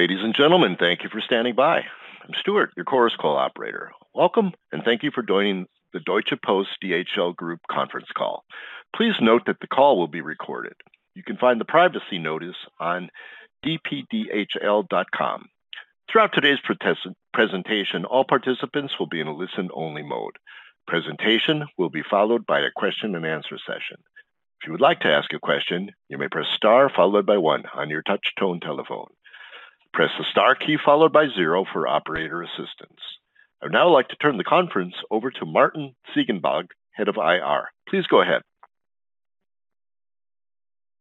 Ladies and gentlemen, thank you for standing by. I am Stuart, your Chorus Call operator. Welcome, and thank you for joining the Deutsche Post DHL Group conference call. Please note that the call will be recorded. You can find the privacy notice on dpdhl.com. Throughout today's presentation, all participants will be in a listen-only mode. Presentation will be followed by a question-and-answer session. If you would like to ask a question, you may press star followed by one on your touch tone telephone. Press the star key followed by zero for operator assistance. I would now like to turn the conference over to Martin Ziegenbalg, Head of IR. Please go ahead.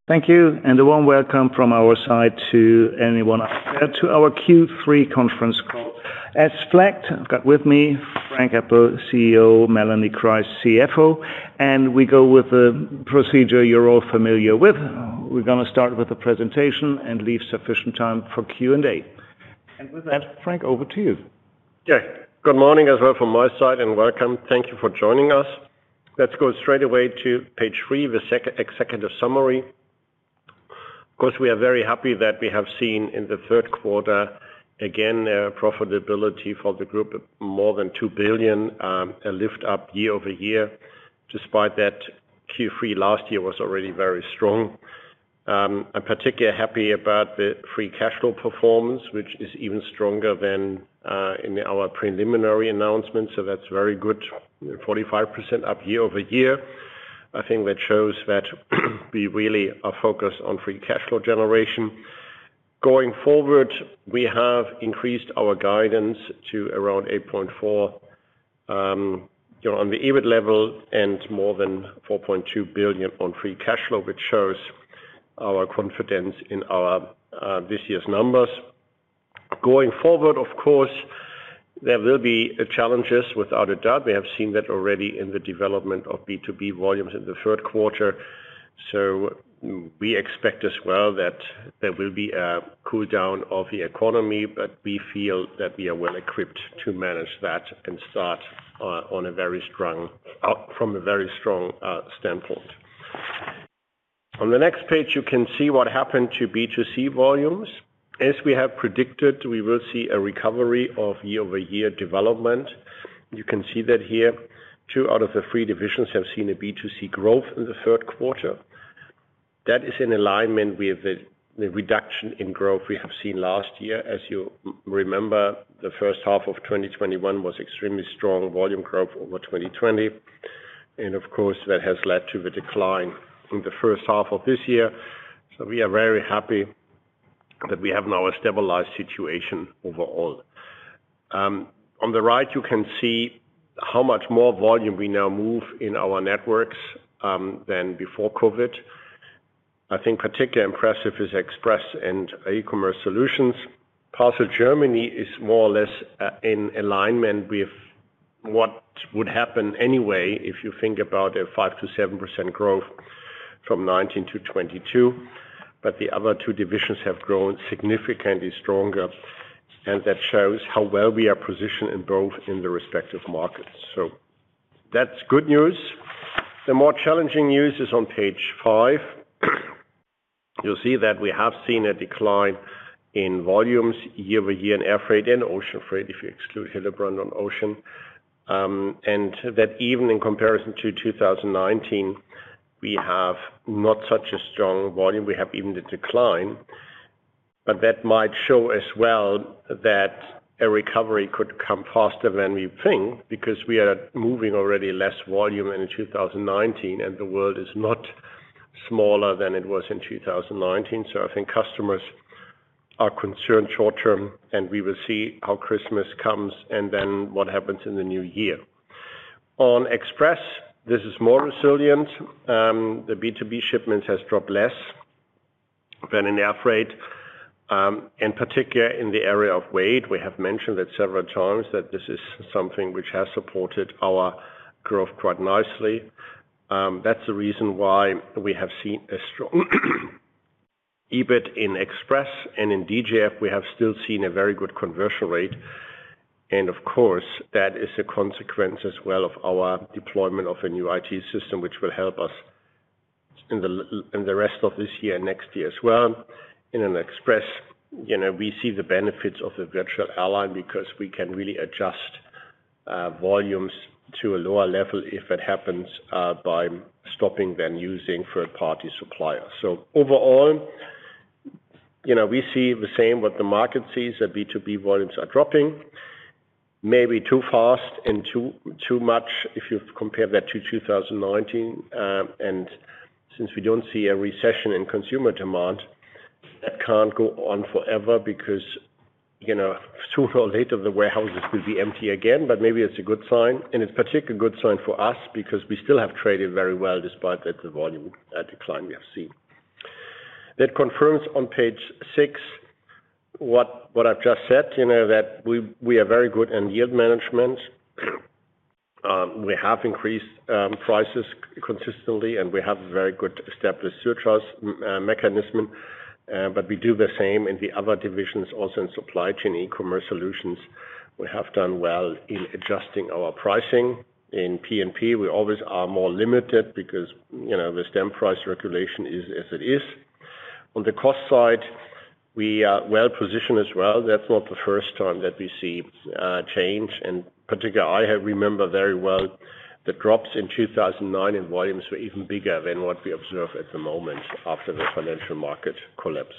Thank you, and a warm welcome from our side to anyone out there to our Q3 conference call. As flagged, I have got with me Frank Appel, CEO, Melanie Kreis, CFO, and we go with the procedure you are all familiar with. We are going to start with the presentation and leave sufficient time for Q&A. With that, Frank, over to you. Good morning as well from my side, and welcome. Thank you for joining us. Let us go straight away to page three, the executive summary. Of course, we are very happy that we have seen in the third quarter, again, profitability for the group of more than 2 billion, a lift up year-over-year. Despite that, Q3 last year was already very strong. I am particularly happy about the free cash flow performance, which is even stronger than in our preliminary announcement, so that is very good. 45% up year-over-year. I think that shows that we really are focused on free cash flow generation. Going forward, we have increased our guidance to around 8.4% on the EBIT level and more than 4.2 billion on free cash flow, which shows our confidence in this year's numbers. Going forward, of course, there will be challenges, without a doubt. We have seen that already in the development of B2B volumes in the third quarter. We expect as well that there will be a cool down of the economy, but we feel that we are well equipped to manage that and start from a very strong standpoint. On the next page, you can see what happened to B2C volumes. As we have predicted, we will see a recovery of year-over-year development. You can see that here. Two out of the three divisions have seen a B2C growth in the third quarter. That is in alignment with the reduction in growth we have seen last year. As you remember, the first half of 2021 was extremely strong volume growth over 2020. Of course, that has led to the decline in the first half of this year. We are very happy that we have now a stabilized situation overall. On the right, you can see how much more volume we now move in our networks than before COVID. I think particularly impressive is Express and eCommerce Solutions. Parcel Germany is more or less in alignment with what would happen anyway if you think about a 5%-7% growth from 2019 to 2022. The other two divisions have grown significantly stronger, and that shows how well we are positioned in both in the respective markets. That's good news. The more challenging news is on page five. You'll see that we have seen a decline in volumes year-over-year in air freight and ocean freight, if you exclude Hillebrand on ocean. Even in comparison to 2019, we have not such a strong volume. We have even the decline. That might show as well that a recovery could come faster than we think because we are moving already less volume in 2019, and the world is not smaller than it was in 2019. I think customers are concerned short term, and we will see how Christmas comes and then what happens in the new year. On Express, this is more resilient. The B2B shipments has dropped less than in air freight. In particular in the area of weight, we have mentioned that several times that this is something which has supported our growth quite nicely. That's the reason why we have seen a strong EBIT in Express and in DGF. We have still seen a very good conversion rate. Of course, that is a consequence as well of our deployment of a new IT system, which will help us in the rest of this year and next year as well. In Express, we see the benefits of the virtual airline because we can really adjust volumes to a lower level if it happens by stopping than using third-party suppliers. Overall, we see the same what the market sees, that B2B volumes are dropping. Maybe too fast and too much if you compare that to 2019. Since we don't see a recession in consumer demand, that can't go on forever because sooner or later, the warehouses will be empty again. Maybe it's a good sign, and it's particularly a good sign for us because we still have traded very well despite the volume decline we have seen. That confirms on page six what I've just said, that we are very good in yield management. We have increased prices consistently, and we have a very good established surcharges mechanism. We do the same in the other divisions also in Supply Chain eCommerce Solutions. We have done well in adjusting our pricing. In P&P, we always are more limited because the stamp price regulation is as it is. On the cost side, we are well-positioned as well. That's not the first time that we see change, and in particular, I remember very well the drops in 2009 in volumes were even bigger than what we observe at the moment after the financial market collapsed.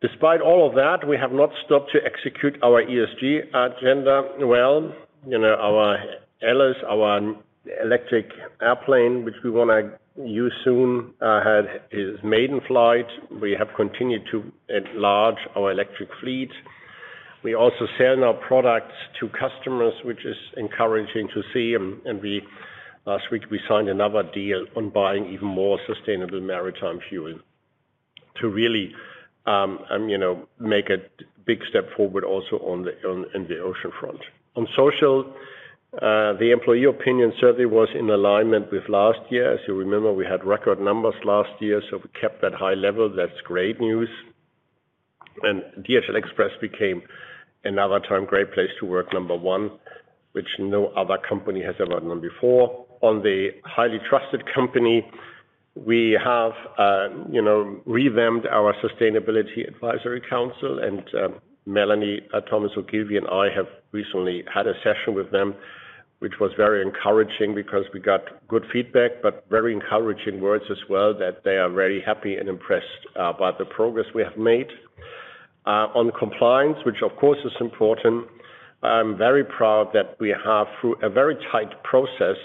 Despite all of that, we have not stopped to execute our ESG agenda well. Our Alice, our electric airplane, which we want to use soon, had its maiden flight. We have continued to enlarge our electric fleet. We also sell our products to customers, which is encouraging to see, last week, we signed another deal on buying even more sustainable maritime fuel to really make a big step forward also on the ocean front. On social, the employee opinion survey was in alignment with last year. As you remember, we had record numbers last year, we kept that high level. That's great news. DHL Express became another time Great Place to Work number one, which no other company has ever done before. On the highly trusted company, we have revamped our sustainability advisory council, and Melanie, Thomas O'Keeffe and I have recently had a session with them, which was very encouraging because we got good feedback, but very encouraging words as well that they are very happy and impressed about the progress we have made. On compliance, which of course is important, I'm very proud that we have, through a very tight process,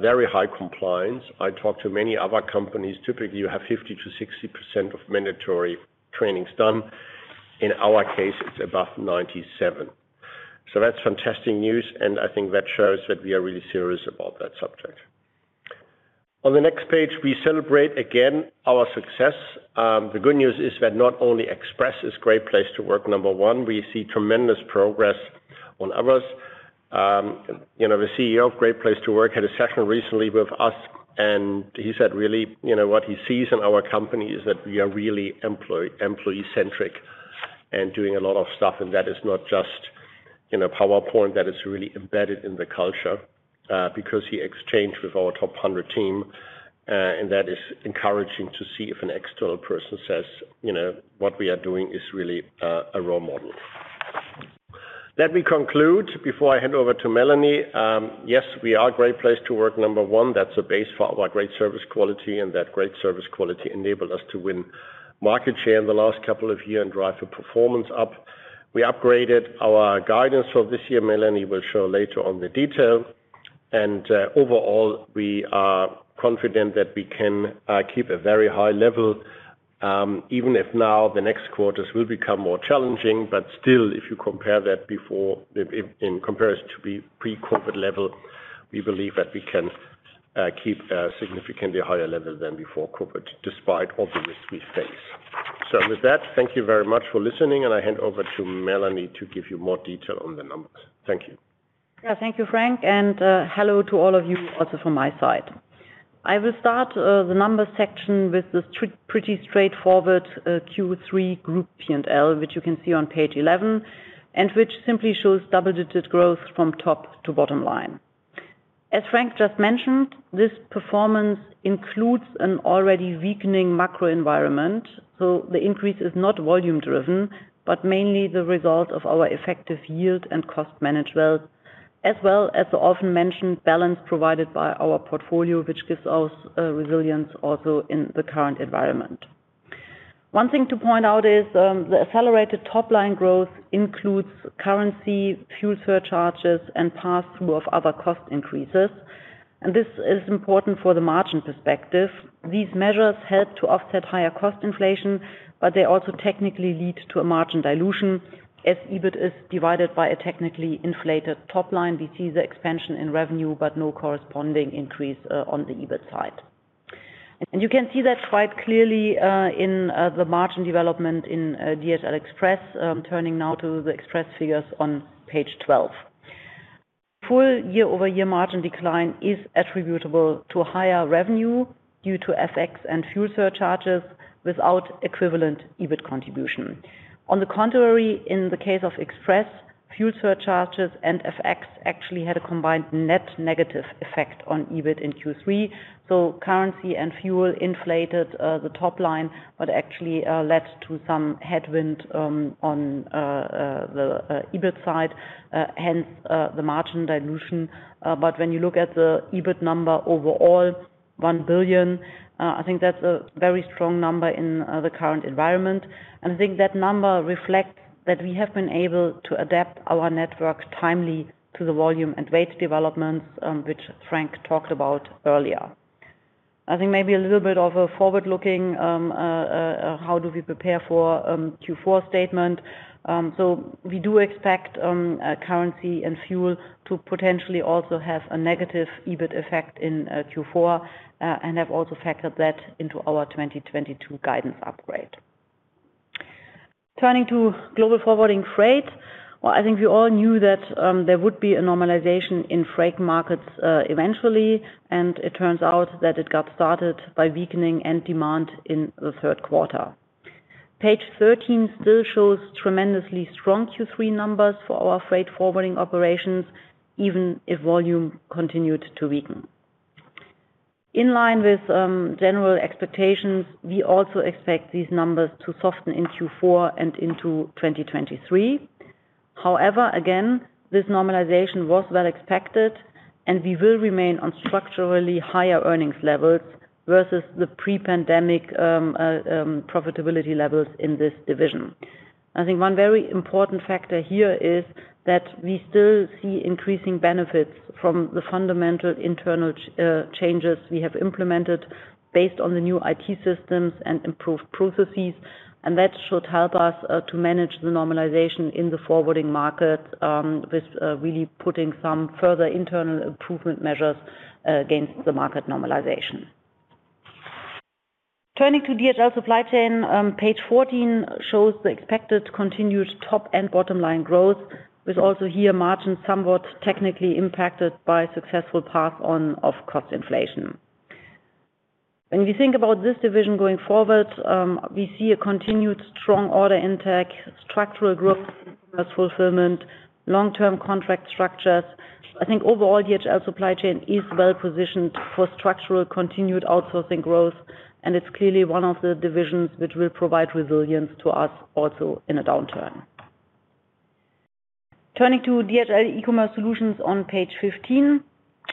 very high compliance. I talked to many other companies. Typically, you have 50%-60% of mandatory trainings done. In our case, it's above 97%. That's fantastic news, and I think that shows that we are really serious about that subject. On the next page, we celebrate again our success. The good news is that not only Express is Great Place to Work number one, we see tremendous progress on others. The CEO of Great Place to Work had a session recently with us, he said really what he sees in our company is that we are really employee-centric and doing a lot of stuff, that is not just PowerPoint. That it's really embedded in the culture because he exchanged with our top 100 team. That is encouraging to see if an external person says what we are doing is really a role model. Let me conclude before I hand over to Melanie. Yes, we are Great Place to Work number one. That's a base for our great service quality, that great service quality enabled us to win market share in the last couple of years and drive the performance up. We upgraded our guidance for this year. Melanie will show later on the detail. Overall, we are confident that we can keep a very high level, even if now the next quarters will become more challenging. But still, if you compare that in comparison to the pre-COVID level, we believe that we can keep a significantly higher level than before COVID, despite all the risks we face. With that, thank you very much for listening, and I hand over to Melanie to give you more detail on the numbers. Thank you. Thank you, Frank, and hello to all of you also from my side. I will start the numbers section with this pretty straightforward Q3 group P&L, which you can see on page 11, which simply shows double-digit growth from top to bottom line. As Frank just mentioned, this performance includes an already weakening macro environment. The increase is not volume driven, but mainly the result of our effective yield and cost management, as well as the often mentioned balance provided by our portfolio, which gives us resilience also in the current environment. One thing to point out is the accelerated top-line growth includes currency, fuel surcharges, and passthrough of other cost increases. This is important for the margin perspective. These measures help to offset higher cost inflation, but they also technically lead to a margin dilution as EBIT is divided by a technically inflated top line. We see the expansion in revenue, but no corresponding increase on the EBIT side. You can see that quite clearly in the margin development in DHL Express. Turning now to the Express figures on page 12. Full year-over-year margin decline is attributable to higher revenue due to FX and fuel surcharges without equivalent EBIT contribution. On the contrary, in the case of Express, fuel surcharges and FX actually had a combined net negative effect on EBIT in Q3. Currency and fuel inflated the top line but actually led to some headwind on the EBIT side, hence the margin dilution. When you look at the EBIT number overall, 1 billion, I think that's a very strong number in the current environment. I think that number reflects that we have been able to adapt our network timely to the volume and rate developments, which Frank talked about earlier. I think maybe a little bit of a forward-looking, how do we prepare for Q4 statement. We do expect currency and fuel to potentially also have a negative EBIT effect in Q4 and have also factored that into our 2022 guidance upgrade. Turning to Global Forwarding Freight. I think we all knew that there would be a normalization in freight markets eventually, and it turns out that it got started by weakening end demand in the third quarter. Page 13 still shows tremendously strong Q3 numbers for our freight forwarding operations, even if volume continued to weaken. In line with general expectations, we also expect these numbers to soften in Q4 and into 2023. Again, this normalization was well expected, and we will remain on structurally higher earnings levels versus the pre-pandemic profitability levels in this division. I think one very important factor here is that we still see increasing benefits from the fundamental internal changes we have implemented based on the new IT systems and improved processes. That should help us to manage the normalization in the forwarding market, with really putting some further internal improvement measures against the market normalization. Turning to DHL Supply Chain, page 14 shows the expected continued top and bottom-line growth, with also here margins somewhat technically impacted by successful pass on of cost inflation. When we think about this division going forward, we see a continued strong order intake, structural growth as fulfillment, long-term contract structures. I think overall, DHL Supply Chain is well-positioned for structural continued outsourcing growth, and it's clearly one of the divisions which will provide resilience to us also in a downturn. Turning to DHL eCommerce Solutions on page 15.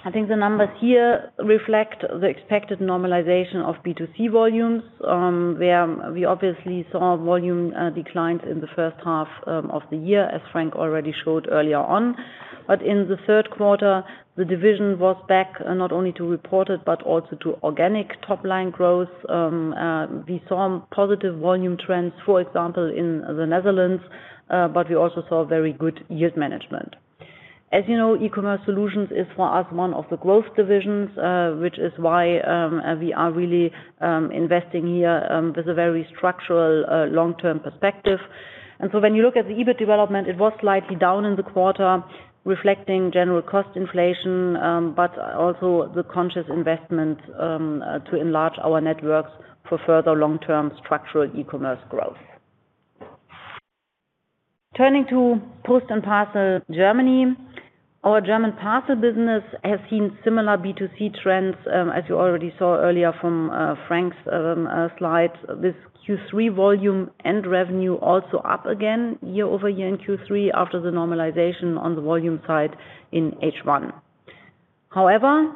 I think the numbers here reflect the expected normalization of B2C volumes, where we obviously saw volume declined in the first half of the year, as Frank already showed earlier on. In the third quarter, the division was back not only to reported but also to organic top-line growth. We saw positive volume trends, for example, in the Netherlands, but we also saw very good yield management. As you know, eCommerce Solutions is, for us, one of the growth divisions, which is why we are really investing here with a very structural, long-term perspective. When you look at the EBIT development, it was slightly down in the quarter, reflecting general cost inflation, but also the conscious investment to enlarge our networks for further long-term structural eCommerce growth. Turning to Post and Parcel Germany. Our German parcel business has seen similar B2C trends, as you already saw earlier from Frank's slides. With Q3 volume and revenue also up again year-over-year in Q3 after the normalization on the volume side in H1. However,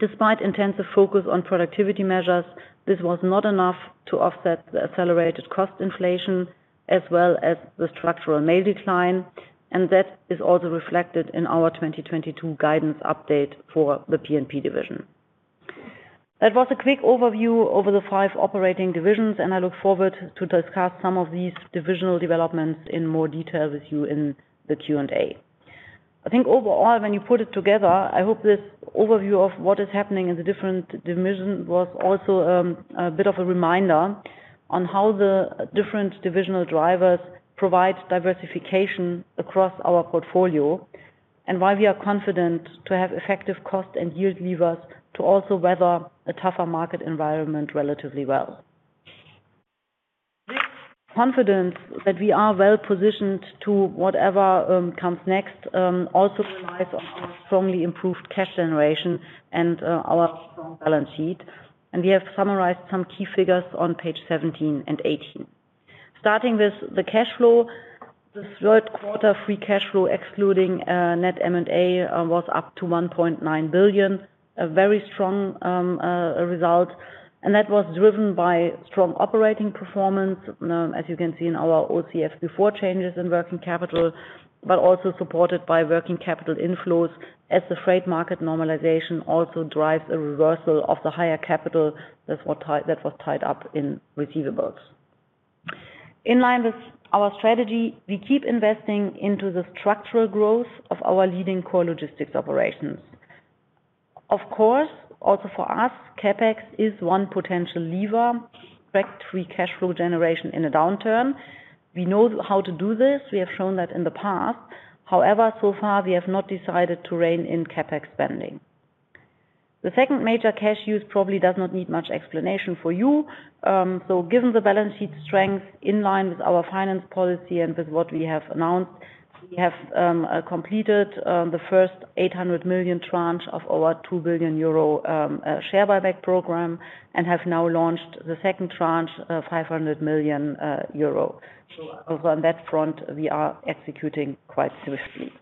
despite intensive focus on productivity measures, this was not enough to offset the accelerated cost inflation as well as the structural mail decline, that is also reflected in our 2022 guidance update for the P&P division. That was a quick overview over the five operating divisions, I look forward to discuss some of these divisional developments in more detail with you in the Q&A. I think overall, when you put it together, I hope this overview of what is happening in the different divisions was also a bit of a reminder on how the different divisional drivers provide diversification across our portfolio and why we are confident to have effective cost and yield levers to also weather a tougher market environment relatively well. This confidence that we are well-positioned to whatever comes next also relies on our strongly improved cash generation and our strong balance sheet. We have summarized some key figures on page 17 and 18. Starting with the cash flow. This third quarter free cash flow, excluding net M&A, was up to 1.9 billion, a very strong result. That was driven by strong operating performance, as you can see in our OCF before changes in working capital, but also supported by working capital inflows as the freight market normalization also drives a reversal of the higher capital that was tied up in receivables. In line with our strategy, we keep investing into the structural growth of our leading core logistics operations. Of course, also for us, CapEx is one potential lever to affect free cash flow generation in a downturn. We know how to do this. We have shown that in the past. However, so far, we have not decided to rein in CapEx spending. The second major cash use probably does not need much explanation for you. Given the balance sheet strength in line with our finance policy and with what we have announced, we have completed the first 800 million tranche of our 2 billion euro share buyback program and have now launched the second tranche of 500 million euro. On that front, we are executing quite swiftly.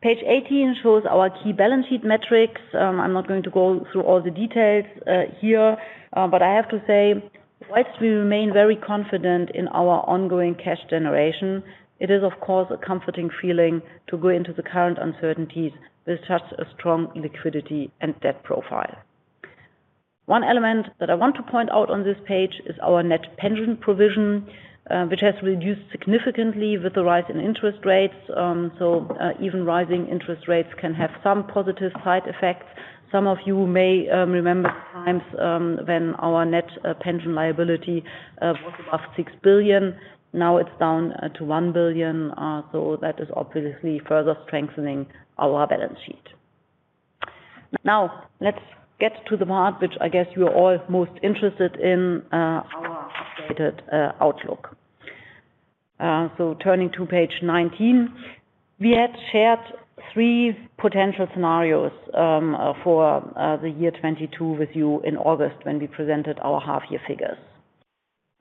Page 18 shows our key balance sheet metrics. I'm not going to go through all the details here, but I have to say, whilst we remain very confident in our ongoing cash generation, it is, of course, a comforting feeling to go into the current uncertainties with such a strong liquidity and debt profile. One element that I want to point out on this page is our net pension provision, which has reduced significantly with the rise in interest rates. Even rising interest rates can have some positive side effects. Some of you may remember times when our net pension liability was above 6 billion. Now it's down to 1 billion. That is obviously further strengthening our balance sheet. Let's get to the part which I guess you are all most interested in, our updated outlook. Turning to page 19, we had shared three potential scenarios for the year 2022 with you in August when we presented our half-year figures.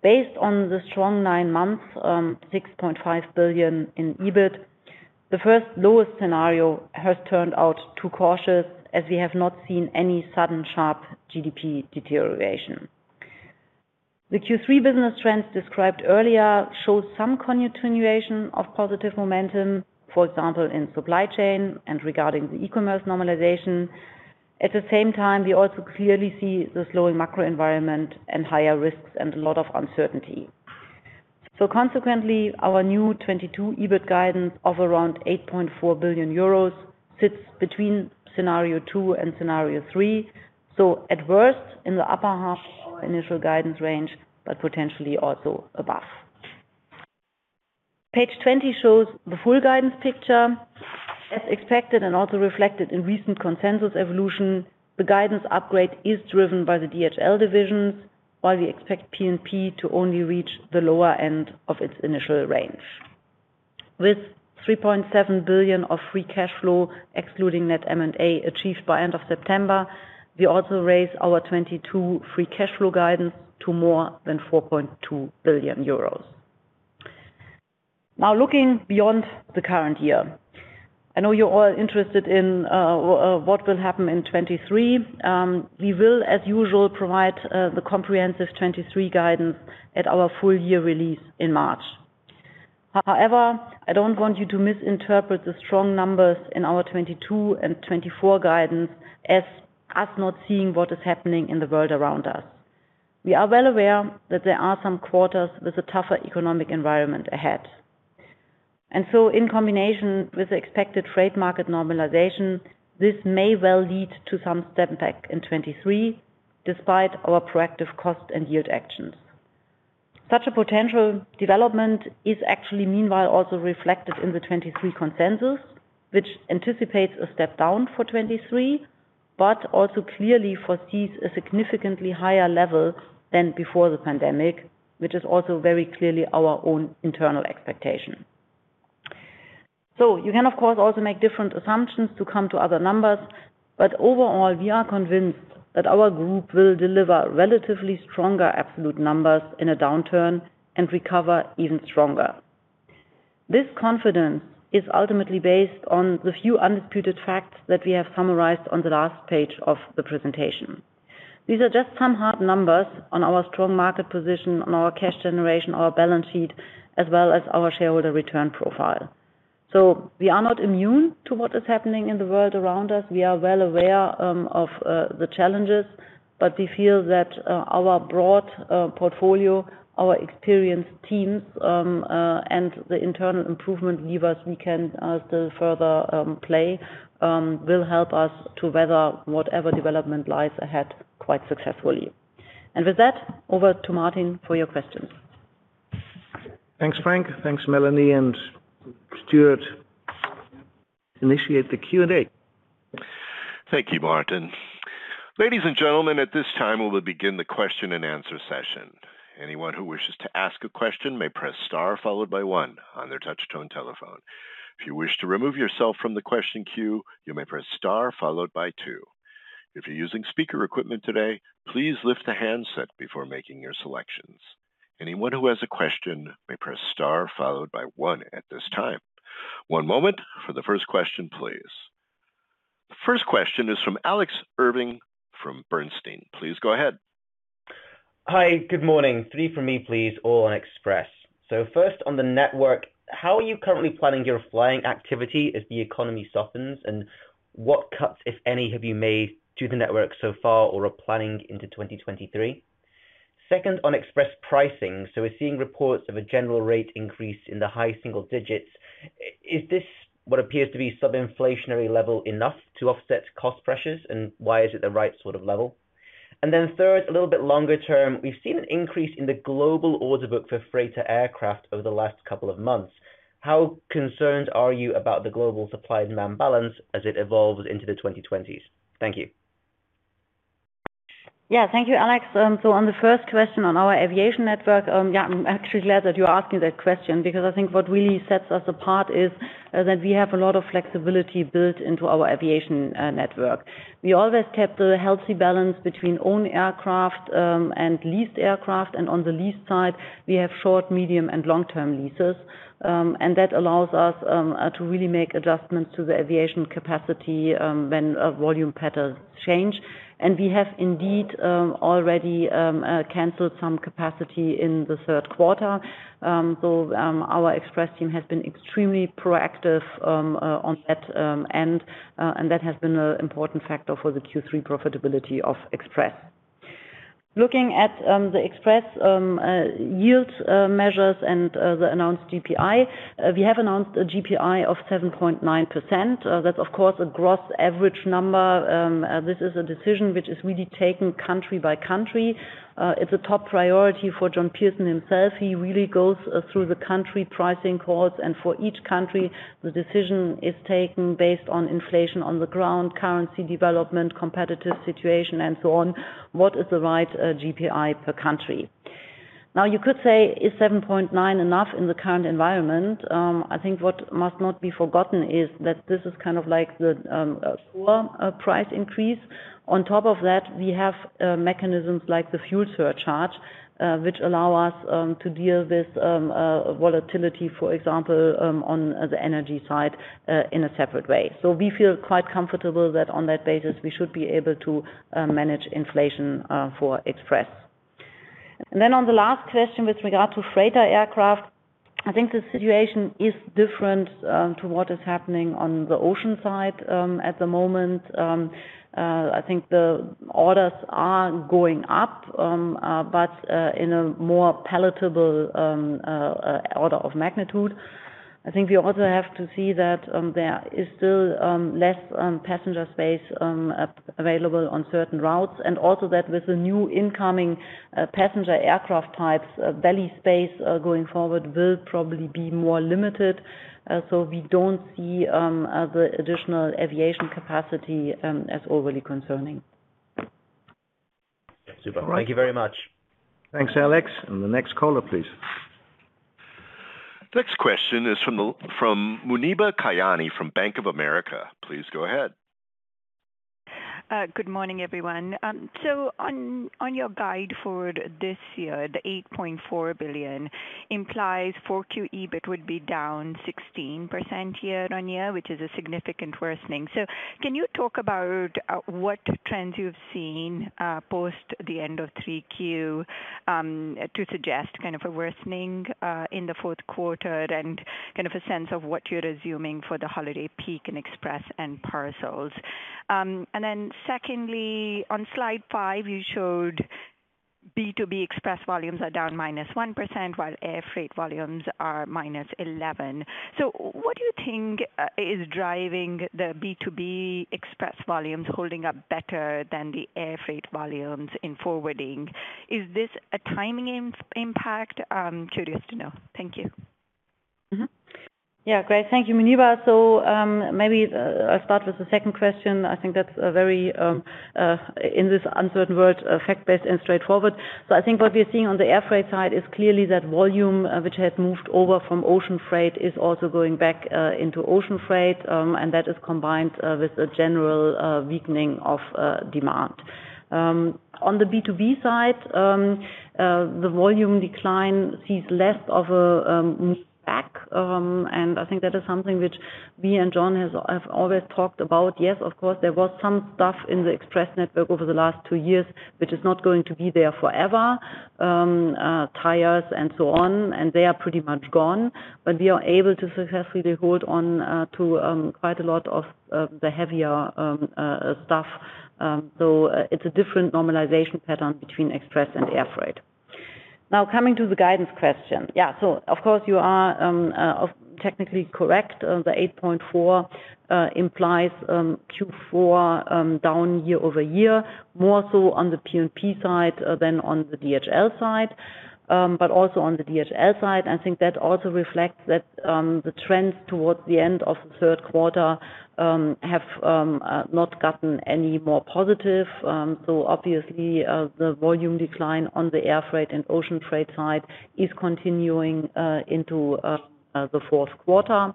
Based on the strong nine months, 6.5 billion in EBIT, the first lowest scenario has turned out too cautious as we have not seen any sudden sharp GDP deterioration. The Q3 business trends described earlier show some continuation of positive momentum, for example, in Supply Chain and regarding the eCommerce normalization. At the same time, we also clearly see the slowing macro environment and higher risks and a lot of uncertainty. Consequently, our new 2022 EBIT guidance of around 8.4 billion euros sits between scenario 2 and scenario 3. At worst, in the upper half of our initial guidance range, but potentially also above. Page 20 shows the full guidance picture. As expected and also reflected in recent consensus evolution, the guidance upgrade is driven by the DHL divisions, while we expect P&P to only reach the lower end of its initial range. With 3.7 billion of free cash flow, excluding net M&A achieved by end of September, we also raise our 2022 free cash flow guidance to more than 4.2 billion euros. Looking beyond the current year. I know you're all interested in what will happen in 2023. We will, as usual, provide the comprehensive 2023 guidance at our full year release in March. However, I don't want you to misinterpret the strong numbers in our 2022 and 2024 guidance as us not seeing what is happening in the world around us. We are well aware that there are some quarters with a tougher economic environment ahead. In combination with the expected freight market normalization, this may well lead to some step back in 2023 despite our proactive cost and yield actions. Such a potential development is actually meanwhile also reflected in the 2023 consensus, which anticipates a step down for 2023, but also clearly foresees a significantly higher level than before the pandemic, which is also very clearly our own internal expectation. You can, of course, also make different assumptions to come to other numbers, but overall, we are convinced that our group will deliver relatively stronger absolute numbers in a downturn and recover even stronger. This confidence is ultimately based on the few undisputed facts that we have summarized on the last page of the presentation. These are just some hard numbers on our strong market position, on our cash generation, our balance sheet, as well as our shareholder return profile. We are not immune to what is happening in the world around us. We are well aware of the challenges, but we feel that our broad portfolio, our experienced teams, and the internal improvement levers we can still further play, will help us to weather whatever development lies ahead quite successfully. With that, over to Martin for your questions. Thanks, Frank. Thanks, Melanie and Stuart. Initiate the Q&A. Thank you, Martin. Ladies and gentlemen, at this time, we will begin the question-and-answer session. Anyone who wishes to ask a question may press star followed by one on their touch-tone telephone. If you wish to remove yourself from the question queue, you may press star followed by two. If you're using speaker equipment today, please lift the handset before making your selections. Anyone who has a question may press star followed by one at this time. One moment for the first question, please. The first question is from Alex Irving from Bernstein. Please go ahead. Hi. Good morning. Three from me, please, all on Express. First on the network, how are you currently planning your flying activity as the economy softens? What cuts, if any, have you made to the network so far or are planning into 2023? Second, on Express pricing, we're seeing reports of a General Rate Increase in the high single digits. Is this what appears to be sub-inflationary level enough to offset cost pressures? Why is it the right sort of level? Then third, a little bit longer term, we've seen an increase in the global order book for freighter aircraft over the last couple of months. How concerned are you about the global supply and demand balance as it evolves into the 2020s? Thank you. Thank you, Alex. On the first question on our aviation network, I'm actually glad that you're asking that question because I think what really sets us apart is that we have a lot of flexibility built into our aviation network. We always kept a healthy balance between owned aircraft and leased aircraft, and on the lease side, we have short, medium, and long-term leases. That allows us to really make adjustments to the aviation capacity when volume patterns change. We have indeed already canceled some capacity in the third quarter. Our Express team has been extremely proactive on that end, and that has been an important factor for the Q3 profitability of Express. Looking at the Express yield measures and the announced GRI, we have announced a GRI of 7.9%. That's, of course, a gross average number. This is a decision which is really taken country by country. It's a top priority for John Pearson himself. He really goes through the country pricing calls and for each country, the decision is taken based on inflation on the ground, currency development, competitive situation, and so on. What is the right GRI per country? Now you could say is 7.9% enough in the current environment? I think what must not be forgotten is that this is the core price increase. On top of that, we have mechanisms like the fuel surcharge, which allow us to deal with volatility, for example, on the energy side in a separate way. We feel quite comfortable that on that basis, we should be able to manage inflation for Express. On the last question with regard to freighter aircraft, I think the situation is different to what is happening on the ocean side at the moment. I think the orders are going up, but in a more palatable order of magnitude. I think we also have to see that there is still less passenger space available on certain routes. Also that with the new incoming passenger aircraft types, belly space going forward will probably be more limited. We don't see the additional aviation capacity as overly concerning. Super. Thank you very much. Thanks, Alex. The next caller, please. Next question is from Muneeba Kayani from Bank of America. Please go ahead. Good morning, everyone. On your guide for this year, the 8.4 billion implies 4Q EBIT would be down 16% year-on-year, which is a significant worsening. Can you talk about what trends you've seen post the end of 3Q to suggest a worsening in the fourth quarter and a sense of what you're assuming for the holiday peak in Express and Parcels? Secondly, on slide five, you showed B2B Express volumes are down -1% while Air Freight volumes are -11%. What do you think is driving the B2B Express volumes holding up better than the Air Freight volumes in forwarding? Is this a timing impact? I am curious to know. Thank you. Great. Thank you, Muneeba. Maybe I'll start with the second question. I think that's very, in this uncertain world, fact-based and straightforward. I think what we are seeing on the Air Freight side is clearly that volume, which had moved over from Ocean Freight, is also going back into Ocean Freight. That is combined with a general weakening of demand. On the B2B side, the volume decline sees less of a back. I think that is something which me and John have always talked about. Yes, of course, there was some stuff in the Express network over the last two years, which is not going to be there forever. Tires and so on, and they are pretty much gone. We are able to successfully hold on to quite a lot of the heavier stuff. It's a different normalization pattern between Express and Air Freight. Now coming to the guidance question. Of course you are technically correct. The 8.4 implies Q4 down year-over-year, more so on the P&P side than on the DHL side. Also on the DHL side, I think that also reflects that the trends towards the end of the third quarter have not gotten any more positive. Obviously, the volume decline on the Air Freight and Ocean Freight side is continuing into the fourth quarter.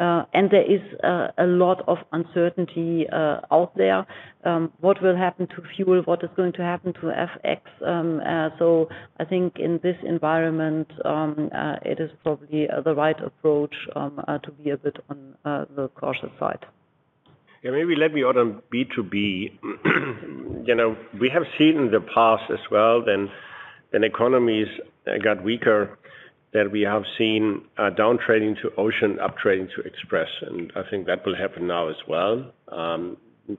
There is a lot of uncertainty out there. What will happen to fuel? What is going to happen to FX? I think in this environment, it is probably the right approach to be a bit on the cautious side. Maybe let me add on B2B. We have seen in the past as well, when economies got weaker, that we have seen downtrading to Ocean, uptrading to Express. I think that will happen now as well.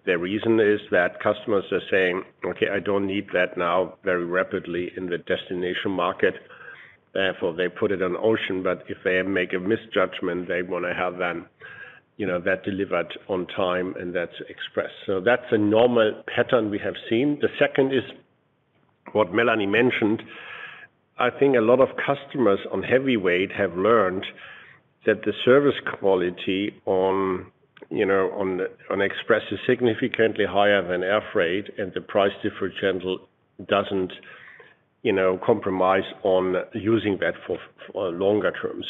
The reason is that customers are saying, "Okay, I don't need that now very rapidly in the destination market." Therefore, they put it on Ocean, but if they make a misjudgment, they want to have that delivered on time, and that's Express. That's a normal pattern we have seen. The second is what Melanie mentioned. I think a lot of customers on heavyweight have learned that the service quality on Express is significantly higher than Air Freight, the price differential doesn't compromise on using that for longer term.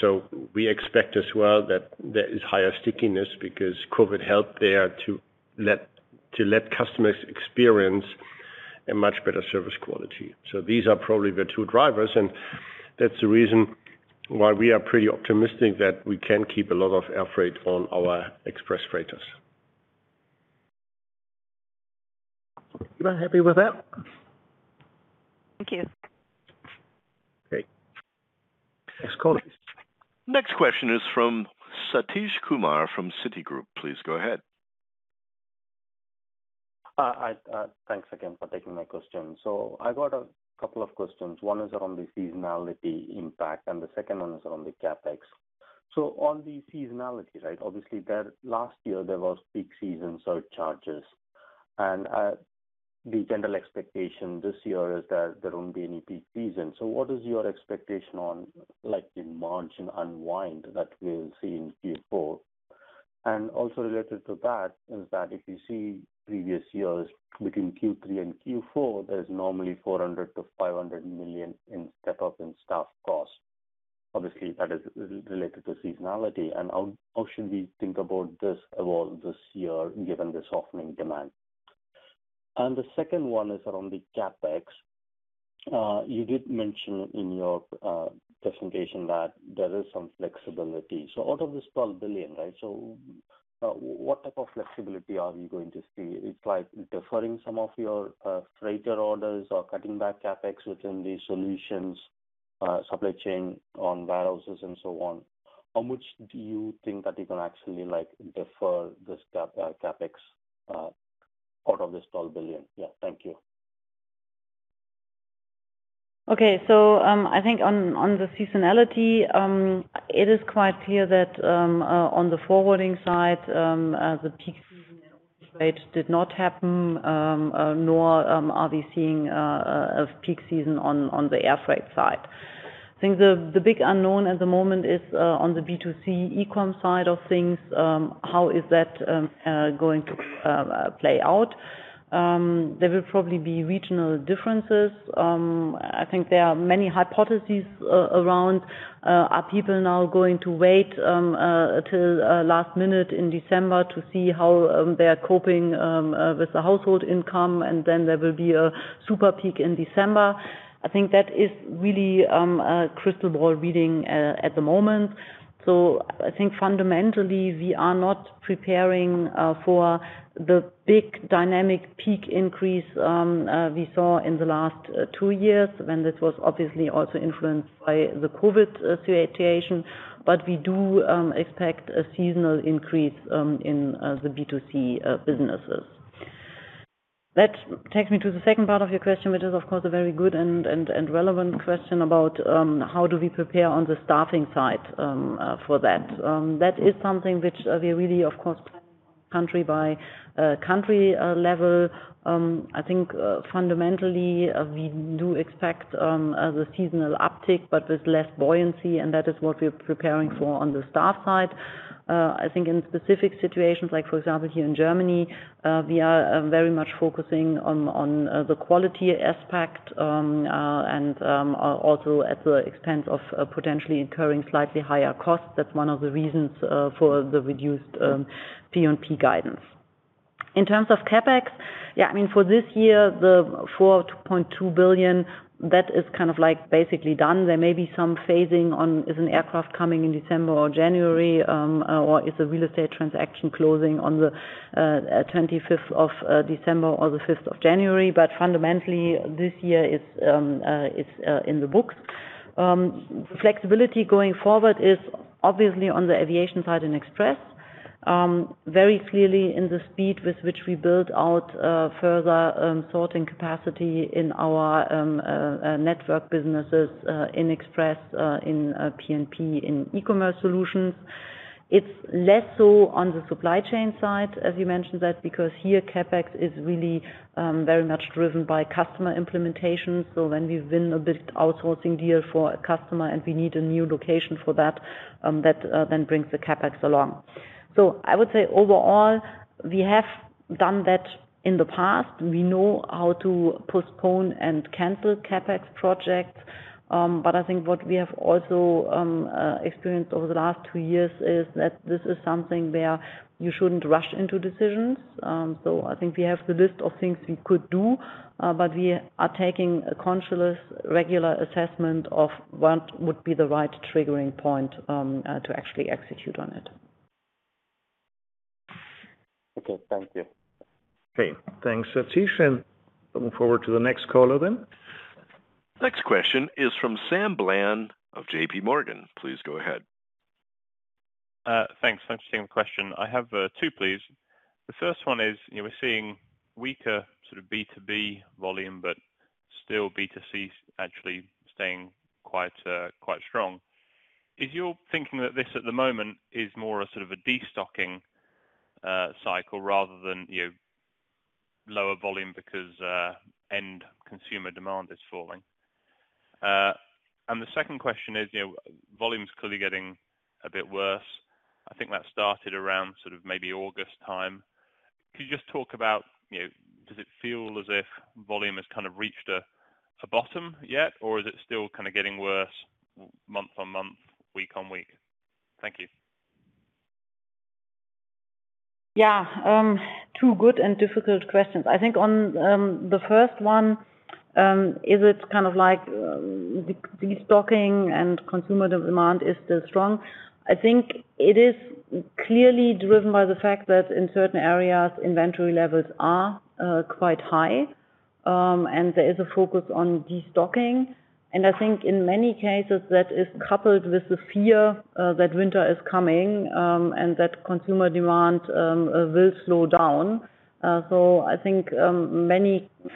We expect as well that there is higher stickiness because COVID helped there to let customers experience a much better service quality. These are probably the two drivers, that's the reason why we are pretty optimistic that we can keep a lot of Air Freight on our Express freighters. Are you not happy with that? Thank you. Great. Next caller, please. Next question is from Satish Kumar from Citigroup. Please go ahead. Thanks again for taking my question. I got a couple of questions. One is around the seasonality impact, and the second one is around the CapEx. On the seasonality, obviously last year, there was peak season surcharges. The general expectation this year is that there won't be any peak season. What is your expectation on the margin unwind that we'll see in Q4? Also related to that is that if you see previous years between Q3 and Q4, there's normally 400 million to 500 million in step-up in staff costs. Obviously, that is related to seasonality. How should we think about this evolving this year, given the softening demand? The second one is around the CapEx. You did mention in your presentation that there is some flexibility. Out of this 12 billion, right, what type of flexibility are we going to see? It's like deferring some of your freighter orders or cutting back CapEx within the solutions, supply chain, on warehouses, and so on. How much do you think that you can actually defer this CapEx out of this 12 billion? Yeah. Thank you. I think on the seasonality, it is quite clear that on the forwarding side, the peak season in ocean freight did not happen, nor are we seeing a peak season on the airfreight side. I think the big unknown at the moment is on the B2C e-com side of things. How is that going to play out? There will probably be regional differences. I think there are many hypotheses around are people now going to wait till last minute in December to see how they're coping with the household income, and then there will be a super peak in December? I think that is really a crystal ball reading at the moment. I think fundamentally, we are not preparing for the big dynamic peak increase we saw in the last two years when this was obviously also influenced by the COVID situation. We do expect a seasonal increase in the B2C businesses. That takes me to the second part of your question, which is, of course, a very good and relevant question about how do we prepare on the staffing side for that. That is something which we are really, of course, planning on country-by-country level. I think fundamentally, we do expect the seasonal uptick, but with less buoyancy, and that is what we are preparing for on the staff side. I think in specific situations, like for example, here in Germany, we are very much focusing on the quality aspect, and also at the expense of potentially incurring slightly higher costs. That's one of the reasons for the reduced P&P guidance. In terms of CapEx, for this year, the 4.2 billion, that is kind of basically done. There may be some phasing on, is an aircraft coming in December or January? Or is a real estate transaction closing on the 25th of December or the 5th of January? Fundamentally, this year it's in the books. The flexibility going forward is obviously on the aviation side and Express. Very clearly in the speed with which we build out further sorting capacity in our network businesses in Express, in P&P, in eCommerce Solutions. It's less so on the supply chain side, as you mentioned that, because here CapEx is really very much driven by customer implementation. When we win a big outsourcing deal for a customer and we need a new location for that then brings the CapEx along. I would say overall, we have done that in the past. We know how to postpone and cancel CapEx projects. I think what we have also experienced over the last two years is that this is something where you shouldn't rush into decisions. I think we have the list of things we could do, but we are taking a conscious, regular assessment of what would be the right triggering point to actually execute on it. Okay. Thank you. Okay. Thanks, Satish. Looking forward to the next caller. Next question is from Sam Bland of J.P. Morgan. Please go ahead. Thanks. Interesting question. I have two, please. The first one is, we're seeing weaker B2B volume, still B2C actually staying quite strong. Is your thinking that this at the moment is more a sort of a destocking cycle rather than lower volume because end consumer demand is falling? The second question is, volume's clearly getting a bit worse. I think that started around maybe August time. Could you just talk about, does it feel as if volume has reached a bottom yet, or is it still kind of getting worse month-on-month, week-on-week? Thank you. Yeah. Two good and difficult questions. I think on the first one, is it kind of like destocking and consumer demand is still strong? I think it is clearly driven by the fact that in certain areas, inventory levels are quite high, and there is a focus on destocking. I think in many cases, that is coupled with the fear that winter is coming, and that consumer demand will slow down. I think many of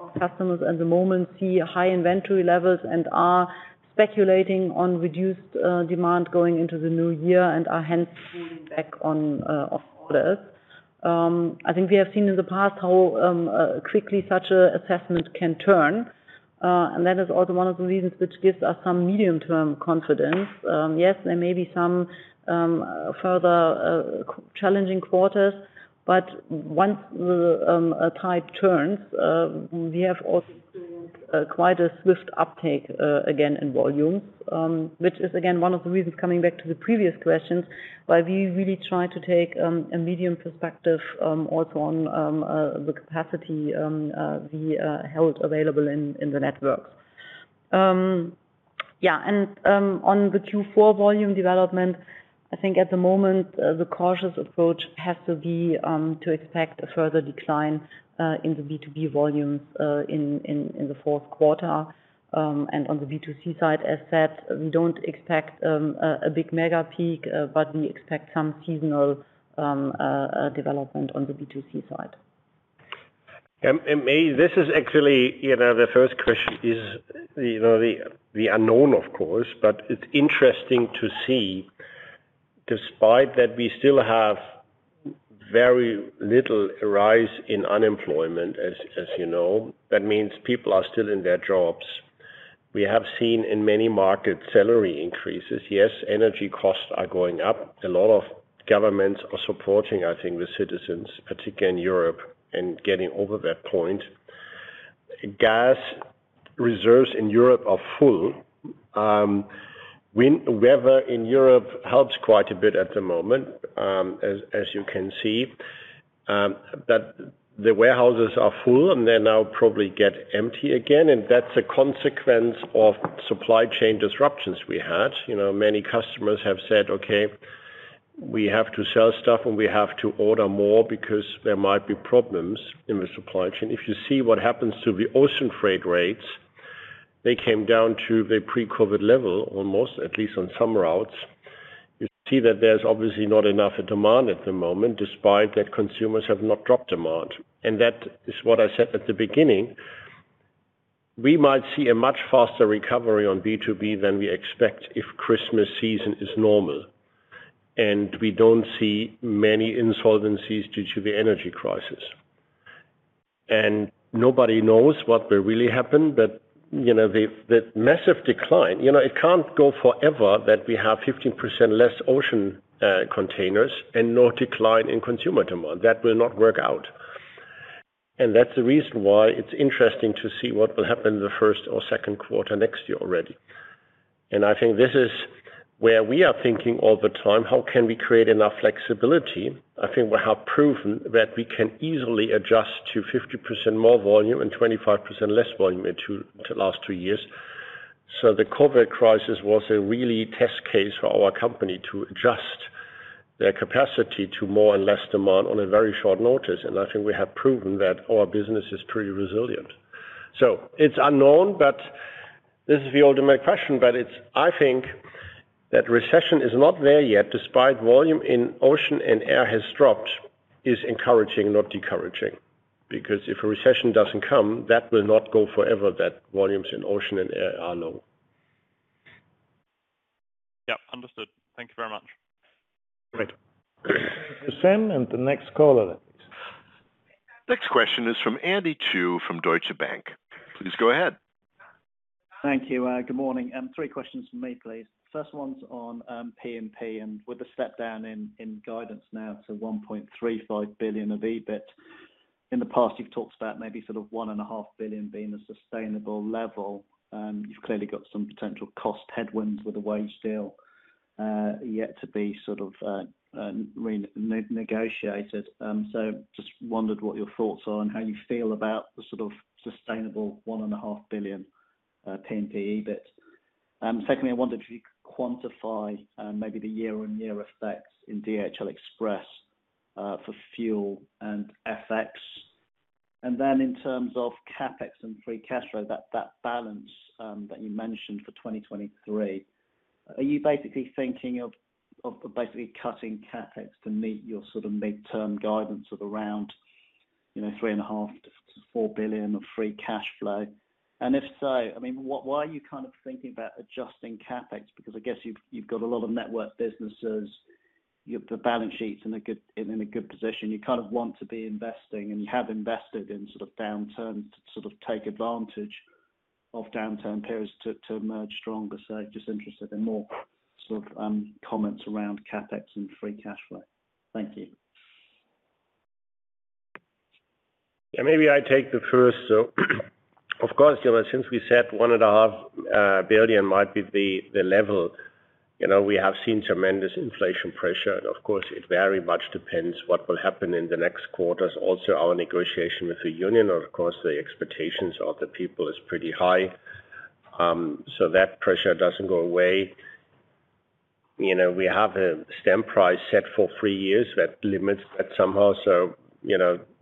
our customers at the moment see high inventory levels and are speculating on reduced demand going into the new year and are hence pulling back on orders. I think we have seen in the past how quickly such an assessment can turn. That is also one of the reasons which gives us some medium-term confidence. Yes, there may be some further challenging quarters, but once the tide turns, we have also experienced quite a swift uptake again in volumes, which is again, one of the reasons, coming back to the previous questions, why we really try to take a medium perspective also on the capacity we held available in the networks. On the Q4 volume development, I think at the moment, the cautious approach has to be to expect a further decline in the B2B volumes in the fourth quarter. On the B2C side, as said, we don't expect a big mega peak, but we expect some seasonal development on the B2C side. Maybe this is actually the first question is the unknown, of course, it's interesting to see despite that we still have very little rise in unemployment as you know. That means people are still in their jobs. We have seen in many markets salary increases. Energy costs are going up. A lot of governments are supporting, I think, the citizens, particularly in Europe, in getting over that point. Gas reserves in Europe are full. Weather in Europe helps quite a bit at the moment, as you can see. The warehouses are full, and they'll now probably get empty again, and that's a consequence of supply chain disruptions we had. Many customers have said, "Okay, we have to sell stuff and we have to order more because there might be problems in the supply chain." If you see what happens to the ocean freight rates, they came down to the pre-COVID level almost, at least on some routes. You see that there's obviously not enough demand at the moment, despite that consumers have not dropped demand. That is what I said at the beginning. We might see a much faster recovery on B2B than we expect if Christmas season is normal. We don't see many insolvencies due to the energy crisis. Nobody knows what will really happen, but the massive decline, it can't go forever that we have 15% less ocean containers and no decline in consumer demand. That will not work out. That's the reason why it's interesting to see what will happen the first or second quarter next year already. I think this is where we are thinking all the time, how can we create enough flexibility? I think we have proven that we can easily adjust to 50% more volume and 25% less volume in the last two years. The COVID crisis was a really test case for our company to adjust their capacity to more and less demand on a very short notice. I think we have proven that our business is pretty resilient. It's unknown, but this is the ultimate question. I think that recession is not there yet, despite volume in ocean and air has dropped, is encouraging, not discouraging. If a recession doesn't come, that will not go forever, that volumes in ocean and air are low. Yep, understood. Thank you very much. Great. Thank you, Sam, and the next caller, please. Next question is from Andy Chu from Deutsche Bank. Please go ahead. Thank you. Good morning. Three questions from me, please. First one's on P&P and with the step down in guidance now to 1.35 billion of EBIT. In the past, you've talked about maybe sort of one and a half billion being a sustainable level. You've clearly got some potential cost headwinds with the wage deal yet to be sort of renegotiated. Just wondered what your thoughts are and how you feel about the sort of sustainable one and a half billion P&P EBIT. Secondly, I wondered if you could quantify maybe the year-on-year effects in DHL Express for fuel and FX. Then in terms of CapEx and free cash flow, that balance that you mentioned for 2023, are you basically thinking of cutting CapEx to meet your sort of midterm guidance of around three and a half to four billion of free cash flow? If so, why are you kind of thinking about adjusting CapEx? I guess you've got a lot of network businesses. The balance sheet's in a good position. You kind of want to be investing and have invested in sort of downturn, sort of take advantage of downturn periods to emerge stronger. Just interested in more sort of comments around CapEx and free cash flow. Thank you. Yeah, maybe I take the first. Of course, since we said one and a half billion might be the level, we have seen tremendous inflation pressure. Of course, it very much depends what will happen in the next quarters. Also, our negotiation with the union, and of course, the expectations of the people is pretty high. That pressure doesn't go away. We have a stamp price set for three years that limits that somehow.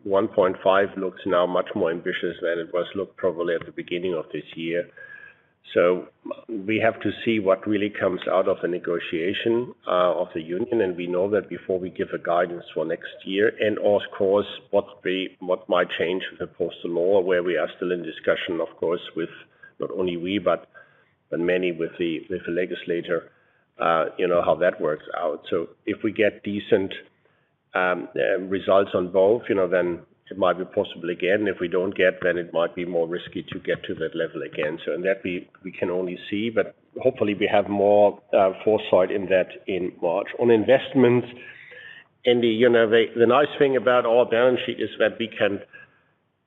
1.5 looks now much more ambitious than it was looked probably at the beginning of this year. We have to see what really comes out of the negotiation of the union, and we know that before we give a guidance for next year. Of course, what might change the postal law, where we are still in discussion, of course, with not only we but many with the legislator, how that works out. If we get decent results on both, then it might be possible again. If we don't get, then it might be more risky to get to that level again. That we can only see, but hopefully we have more foresight in that in March. On investments, Andy, the nice thing about our balance sheet is that we can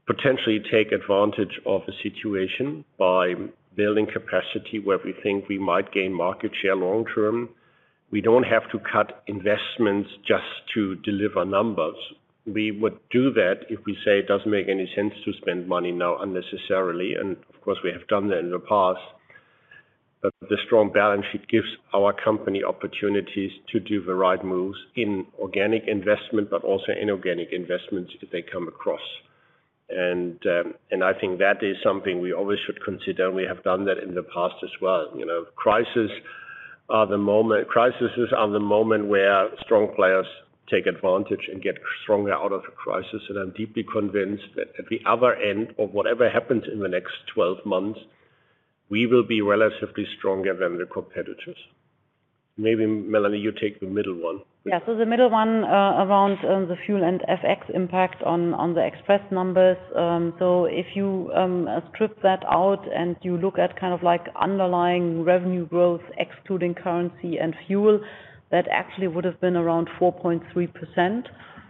potentially take advantage of a situation by building capacity where we think we might gain market share long-term. We don't have to cut investments just to deliver numbers. We would do that if we say it doesn't make any sense to spend money now unnecessarily, and, of course, we have done that in the past. The strong balance sheet gives our company opportunities to do the right moves in organic investment, but also inorganic investments if they come across. I think that is something we always should consider, and we have done that in the past as well. Crises are the moment where strong players take advantage and get stronger out of the crisis. I'm deeply convinced that at the other end of whatever happens in the next 12 months, we will be relatively stronger than the competitors. Maybe, Melanie, you take the middle one. The middle one, around the fuel and FX impact on the Express numbers. If you strip that out and you look at underlying revenue growth, excluding currency and fuel, that actually would've been around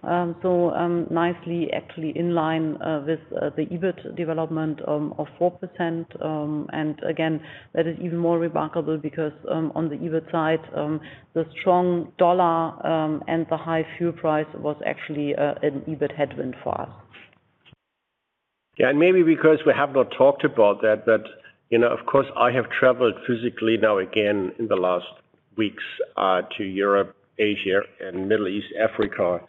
4.3%. Nicely actually in line with the EBIT development of 4%. Again, that is even more remarkable because, on the EBIT side, the strong dollar, and the high fuel price was actually an EBIT headwind for us. And maybe because we have not talked about that, of course, I have traveled physically now again in the last weeks, to Europe, Asia and Middle East, Africa.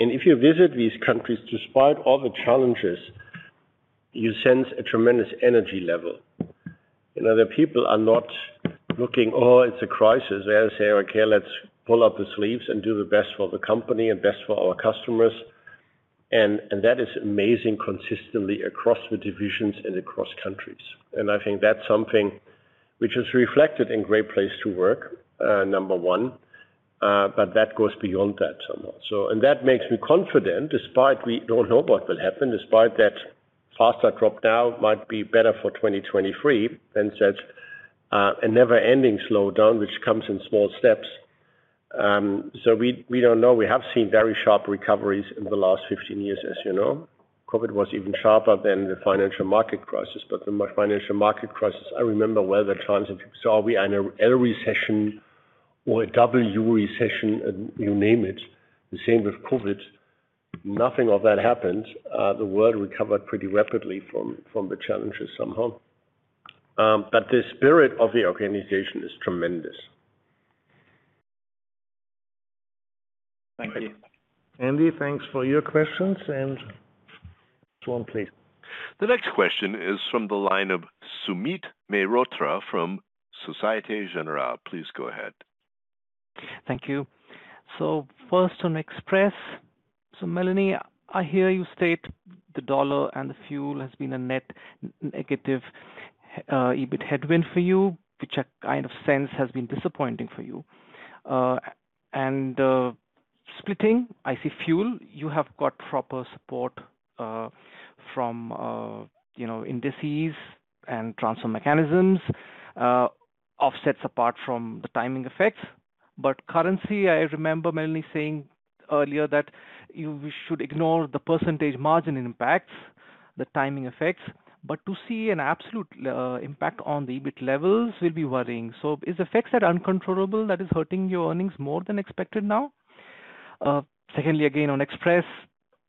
If you visit these countries, despite all the challenges, you sense a tremendous energy level. The people are not looking, "Oh, it's a crisis." They say, "Okay, let's roll up the sleeves and do the best for the company and best for our customers." That is amazing consistently across the divisions and across countries. I think that's something which is reflected in Great Place to Work, number one. That goes beyond that somehow. That makes me confident, despite we don't know what will happen, despite that faster drop now might be better for 2023 than such a never-ending slowdown, which comes in small steps. We don't know. We have seen very sharp recoveries in the last 15 years, as you know. COVID was even sharper than the financial market crisis. The financial market crisis, I remember well the times, if you saw, are we in a L recession or a W recession, and you name it, the same with COVID. Nothing of that happened. The world recovered pretty rapidly from the challenges somehow. The spirit of the organization is tremendous. Thank you. Andy, thanks for your questions. Juan, please. The next question is from the line of Sumit Mehrotra from Societe Generale. Please go ahead. Thank you. First on Express. Melanie, I hear you state the dollar and the fuel has been a net negative, EBIT headwind for you, which I kind of sense has been disappointing for you. Splitting, I see fuel, you have got proper support, from indices and transfer mechanisms, offsets apart from the timing effects. But currency, I remember Melanie saying earlier that you should ignore the percentage margin impacts, the timing effects. But to see an absolute impact on the EBIT levels will be worrying. Is FX that uncontrollable that is hurting your earnings more than expected now? Secondly, again, on Express,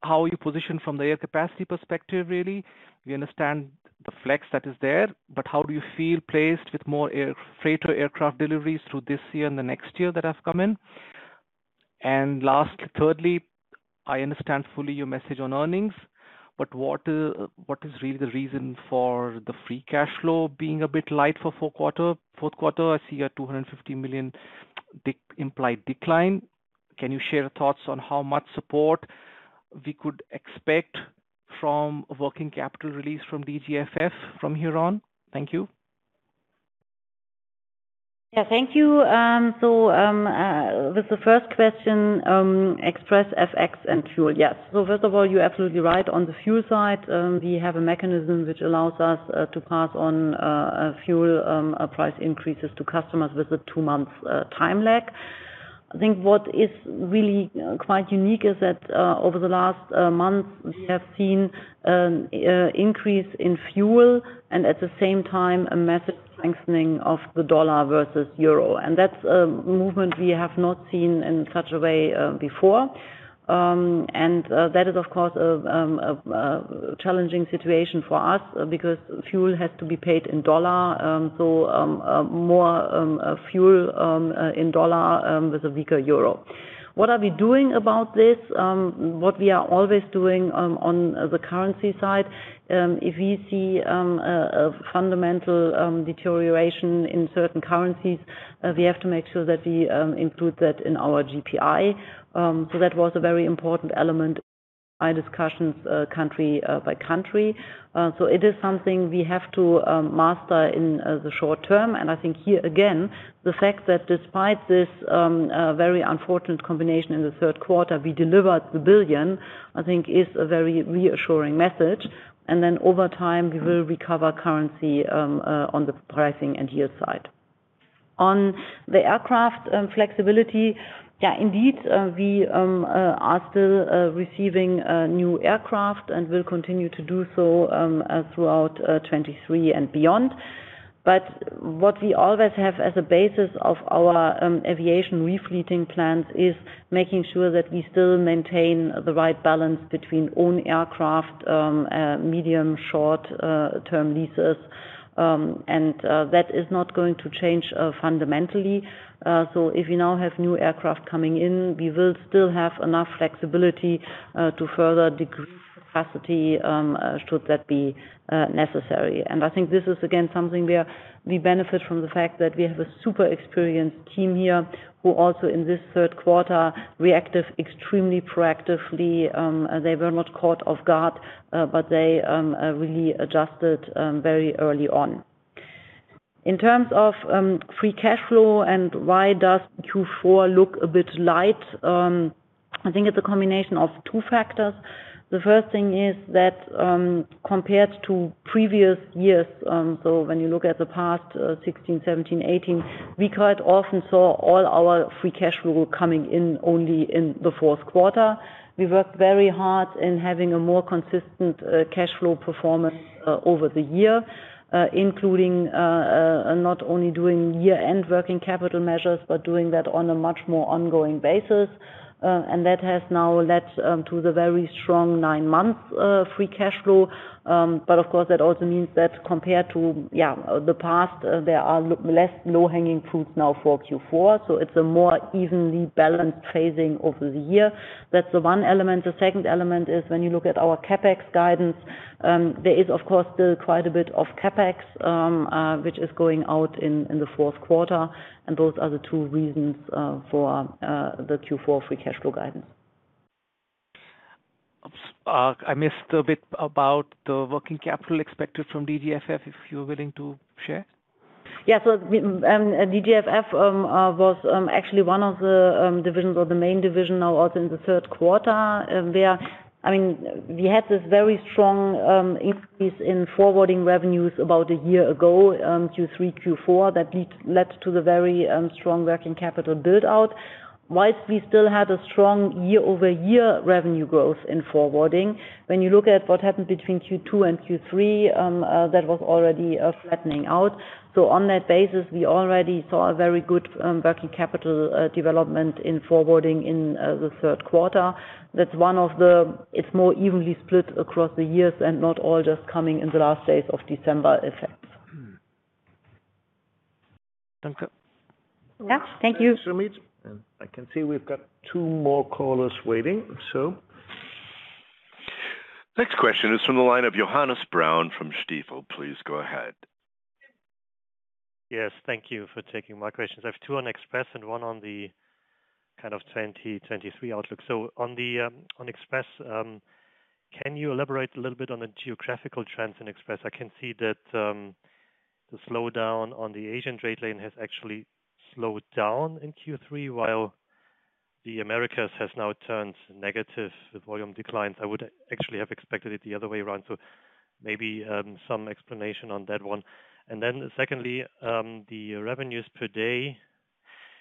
how are you positioned from the air capacity perspective, really? We understand the flex that is there, but how do you feel placed with more air freighter aircraft deliveries through this year and the next year that have come in? last, thirdly, I understand fully your message on earnings, but what is really the reason for the free cash flow being a bit light for fourth quarter? I see a 250 million implied decline. Can you share thoughts on how much support we could expect from working capital release from DGFF from here on? Thank you. Yeah, thank you. With the first question, Express FX and fuel. Yes. First of all, you're absolutely right. On the fuel side, we have a mechanism which allows us to pass on fuel price increases to customers with a two-month time lag. I think what is really quite unique is that, over the last month, we have seen an increase in fuel and at the same time, a massive strengthening of the dollar versus euro. That's a movement we have not seen in such a way before. That is, of course, a challenging situation for us because fuel has to be paid in dollar. More fuel in dollar, with a weaker euro. What are we doing about this? What we are always doing, on the currency side, if we see a fundamental deterioration in certain currencies, we have to make sure that we include that in our GRI. That was a very important element By discussions country by country. It is something we have to master in the short term. I think here again, the fact that despite this very unfortunate combination in the third quarter, we delivered the 1 billion, I think is a very reassuring message. Over time, we will recover currency on the pricing and yield side. On the aircraft flexibility, indeed, we are still receiving new aircraft and will continue to do so throughout 2023 and beyond. What we always have as a basis of our aviation refleeting plans is making sure that we still maintain the right balance between own aircraft, medium, short-term leases that is not going to change fundamentally. If we now have new aircraft coming in, we will still have enough flexibility to further decrease capacity should that be necessary. I think this is again, something where we benefit from the fact that we have a super experienced team here who also in this third quarter reacted extremely proactively. They were not caught off guard, but they really adjusted very early on. In terms of free cash flow and why does Q4 look a bit light? I think it's a combination of two factors. The first thing is that compared to previous years, when you look at the past 2016, 2017, 2018, we quite often saw all our free cash flow coming in only in the fourth quarter. We worked very hard in having a more consistent cash flow performance over the year, including, not only doing year-end working capital measures, but doing that on a much more ongoing basis. That has now led to the very strong 9 months free cash flow. But of course, that also means that compared to the past, there are less low-hanging fruits now for Q4. It's a more evenly balanced phasing over the year. That's the one element. The second element is when you look at our CapEx guidance, there is of course, still quite a bit of CapEx, which is going out in the fourth quarter, and those are the two reasons for the Q4 free cash flow guidance. I missed a bit about the working capital expected from DGFF, if you're willing to share. DGFF was actually one of the divisions or the main division now also in the third quarter. We had this very strong increase in forwarding revenues about a year ago, Q3, Q4, that led to the very strong working capital build-out. Whilst we still had a strong year-over-year revenue growth in forwarding, when you look at what happened between Q2 and Q3, that was already flattening out. On that basis, we already saw a very good working capital development in forwarding in the third quarter. It's more evenly split across the years and not all just coming in the last days of December effect. Danke. Yeah. Thank you. Thanks, Sumit. I can see we've got two more callers waiting. Next question is from the line of Johannes Braun from Stifel. Please go ahead. Yes. Thank you for taking my questions. I have two on Express and one on the kind of 2023 outlook. On Express, can you elaborate a little bit on the geographical trends in Express? I can see that the slowdown on the Asian trade lane has actually slowed down in Q3 while the Americas has now turned negative with volume declines. I would actually have expected it the other way around. Maybe some explanation on that one. Secondly, the revenues per day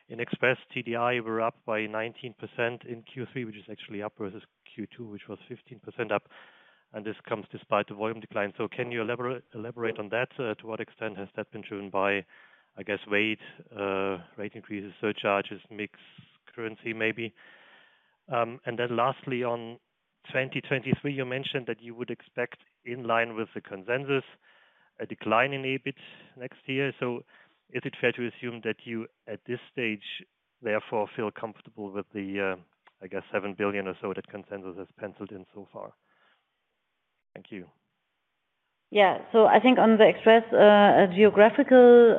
in Express TDI were up by 19% in Q3, which is actually up versus Q2, which was 15% up, and this comes despite the volume decline. Can you elaborate on that? To what extent has that been driven by, I guess, rate increases, surcharges, mix, currency maybe? Lastly, on 2023, you mentioned that you would expect in line with the consensus, a decline in EBIT next year. Is it fair to assume that you, at this stage, therefore feel comfortable with the, I guess, 7 billion or so that consensus has penciled in so far? Thank you. I think on the Express, geographical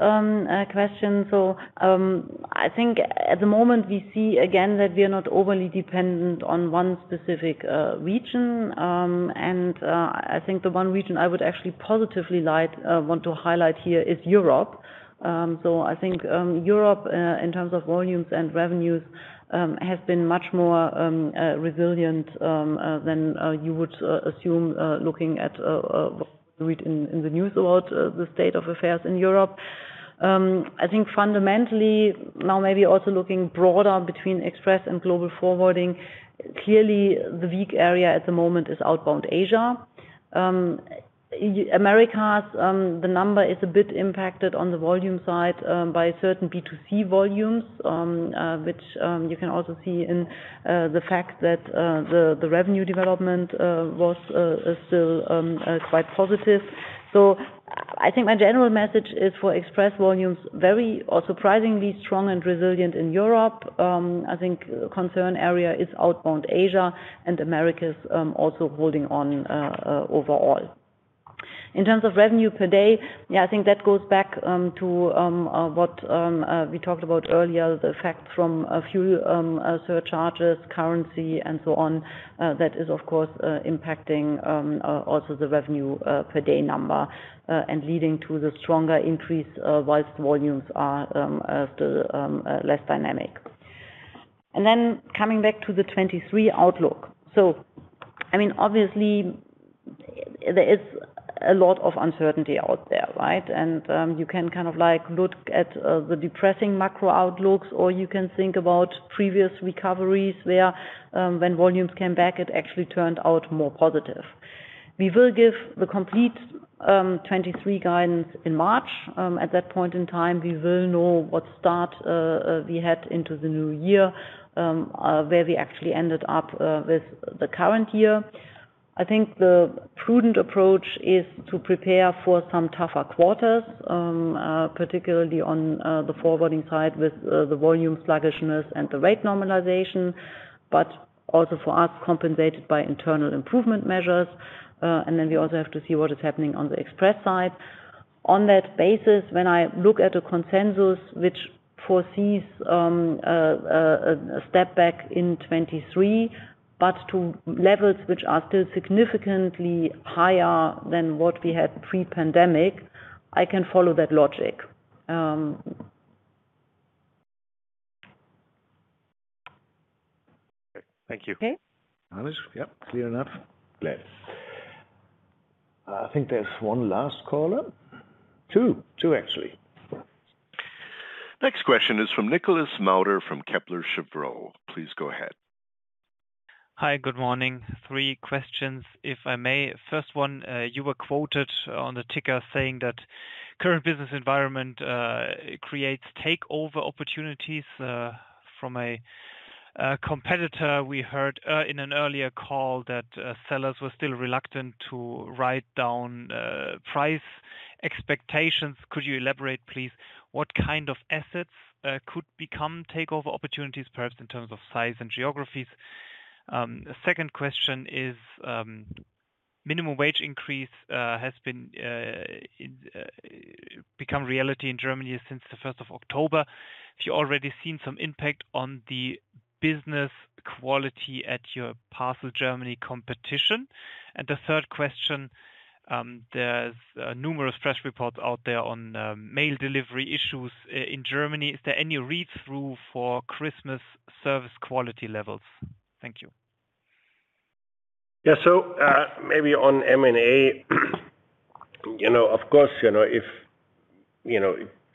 question. I think at the moment we see again that we are not overly dependent on one specific region. I think the one region I would actually positively want to highlight here is Europe. I think Europe, in terms of volumes and revenues, has been much more resilient than you would assume looking at what you read in the news about the state of affairs in Europe. I think fundamentally now, maybe also looking broader between Express and Global Forwarding, clearly the weak area at the moment is outbound Asia. Americas, the number is a bit impacted on the volume side by certain B2C volumes, which you can also see in the fact that the revenue development was still quite positive. I think my general message is for Express volumes, very surprisingly strong and resilient in Europe. I think concern area is outbound Asia and Americas also holding on overall. In terms of revenue per day, I think that goes back to what we talked about earlier, the effect from fuel surcharges, currency, and so on. That is, of course, impacting also the revenue per day number, and leading to the stronger increase whilst volumes are less dynamic. Coming back to the 2023 outlook. Obviously, there is a lot of uncertainty out there, right? You can look at the depressing macro outlooks, or you can think about previous recoveries where, when volumes came back, it actually turned out more positive. We will give the complete 2023 guidance in March. At that point in time, we will know what start we had into the new year, where we actually ended up with the current year. I think the prudent approach is to prepare for some tougher quarters, particularly on the forwarding side with the volume sluggishness and the rate normalization. Also for us, compensated by internal improvement measures. We also have to see what is happening on the Express side. On that basis, when I look at a consensus which foresees a step back in 2023, but to levels which are still significantly higher than what we had pre-pandemic, I can follow that logic. Okay. Thank you. Okay? Hans? Yep. Clear enough. Great. I think there's one last caller. Two, actually. Next question is from Nicolas Mouter from Kepler Cheuvreux. Please go ahead. Hi. Good morning. Three questions, if I may. First one, you were quoted on the ticker saying that current business environment creates takeover opportunities. From a competitor, we heard in an earlier call that sellers were still reluctant to write down price expectations. Could you elaborate, please, what kind of assets could become takeover opportunities, perhaps in terms of size and geographies? Second question is, minimum wage increase has become reality in Germany since the 1st of October. Have you already seen some impact on the business quality at your parcel Germany competition? And the third question, there's numerous press reports out there on mail delivery issues in Germany. Is there any read-through for Christmas service quality levels? Thank you. Maybe on M&A. Of course, if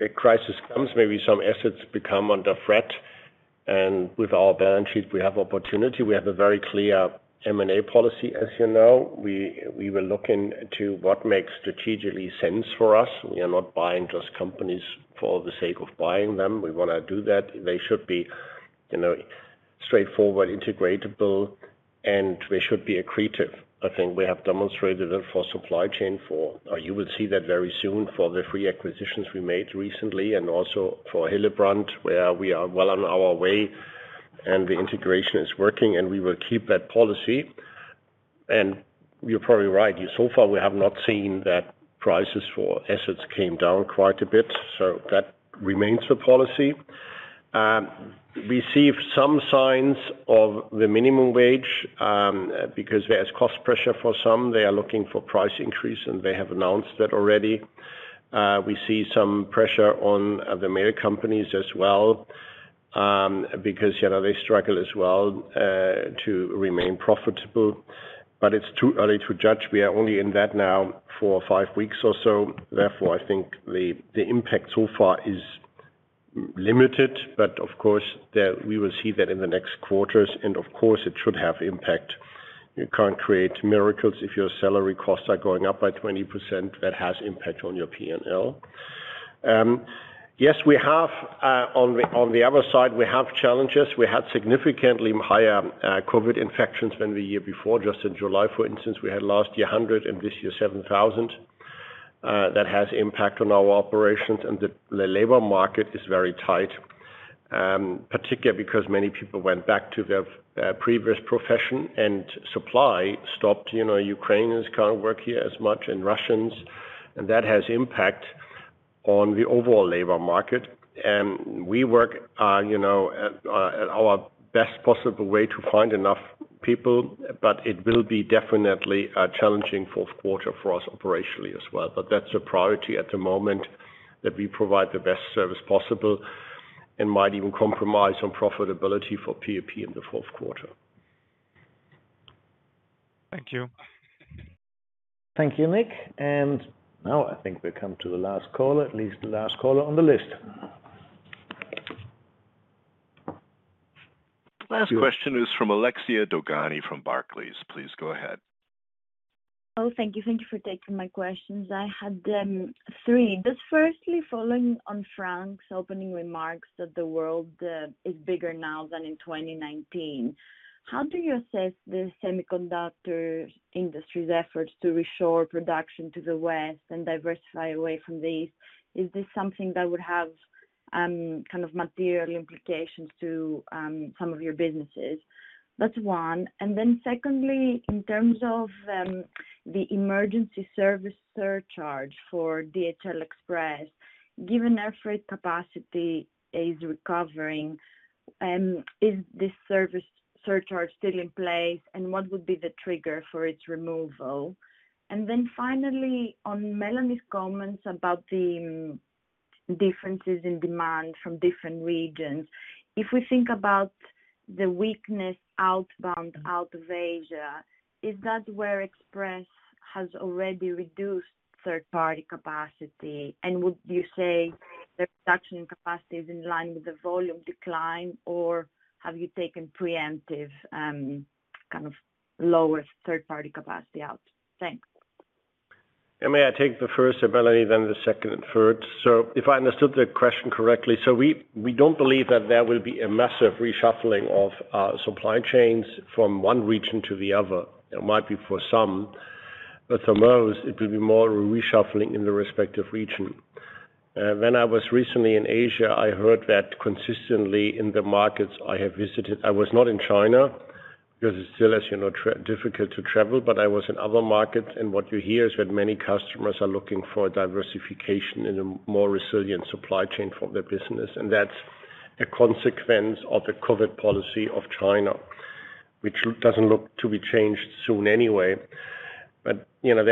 a crisis comes, maybe some assets become under threat. With our balance sheet, we have opportunity. We have a very clear M&A policy, as you know. We were looking to what makes strategically sense for us. We are not buying just companies for the sake of buying them. We want to do that. They should be straightforward, integratable, and they should be accretive. I think we have demonstrated it for supply chain. You will see that very soon for the three acquisitions we made recently, and also for Hillebrand, where we are well on our way, and the integration is working, and we will keep that policy. You're probably right. So far, we have not seen that prices for assets came down quite a bit. That remains the policy. We see some signs of the minimum wage, because there is cost pressure for some. They are looking for price increase, and they have announced that already. We see some pressure on the mail companies as well, because they struggle as well to remain profitable. It's too early to judge. We are only in that now four or five weeks or so. Therefore, I think the impact so far is limited. Of course, we will see that in the next quarters. Of course, it should have impact. You can't create miracles if your salary costs are going up by 20%. That has impact on your P&L. Yes, on the other side, we have challenges. We had significantly higher COVID infections than the year before. Just in July, for instance, we had last year, 100, and this year, 7,000. That has impact on our operations. The labor market is very tight, particularly because many people went back to their previous profession and supply stopped. Ukrainians can't work here as much, and Russians. That has impact on the overall labor market. We work at our best possible way to find enough people. It will be definitely a challenging fourth quarter for us operationally as well. That's a priority at the moment, that we provide the best service possible and might even compromise on profitability for P&P in the fourth quarter. Thank you. Thank you, Nick. Now I think we come to the last caller, at least the last caller on the list. Last question is from Alexia Dogani from Barclays. Please go ahead. Thank you. Thank you for taking my questions. I had three. Firstly, following on Frank's opening remarks that the world is bigger now than in 2019. How do you assess the semiconductor industry's efforts to reshore production to the West and diversify away from the East? Is this something that would have kind of material implications to some of your businesses. That's one. Secondly, in terms of the emergency service surcharge for DHL Express, given air freight capacity is recovering, is this service surcharge still in place, and what would be the trigger for its removal? Finally, on Melanie's comments about the differences in demand from different regions. If we think about the weakness outbound out of Asia, is that where Express has already reduced third-party capacity? Would you say the reduction in capacity is in line with the volume decline, or have you taken preemptive kind of lower third-party capacity out? Thanks. May I take the first, Melanie, then the second and third? If I understood the question correctly, we don't believe that there will be a massive reshuffling of supply chains from one region to the other. It might be for some, but for most, it will be more reshuffling in the respective region. When I was recently in Asia, I heard that consistently in the markets I have visited. I was not in China because it's still, as you know, difficult to travel, but I was in other markets, what you hear is that many customers are looking for diversification in a more resilient supply chain for their business. That's a consequence of the COVID policy of China, which doesn't look to be changed soon anyway. There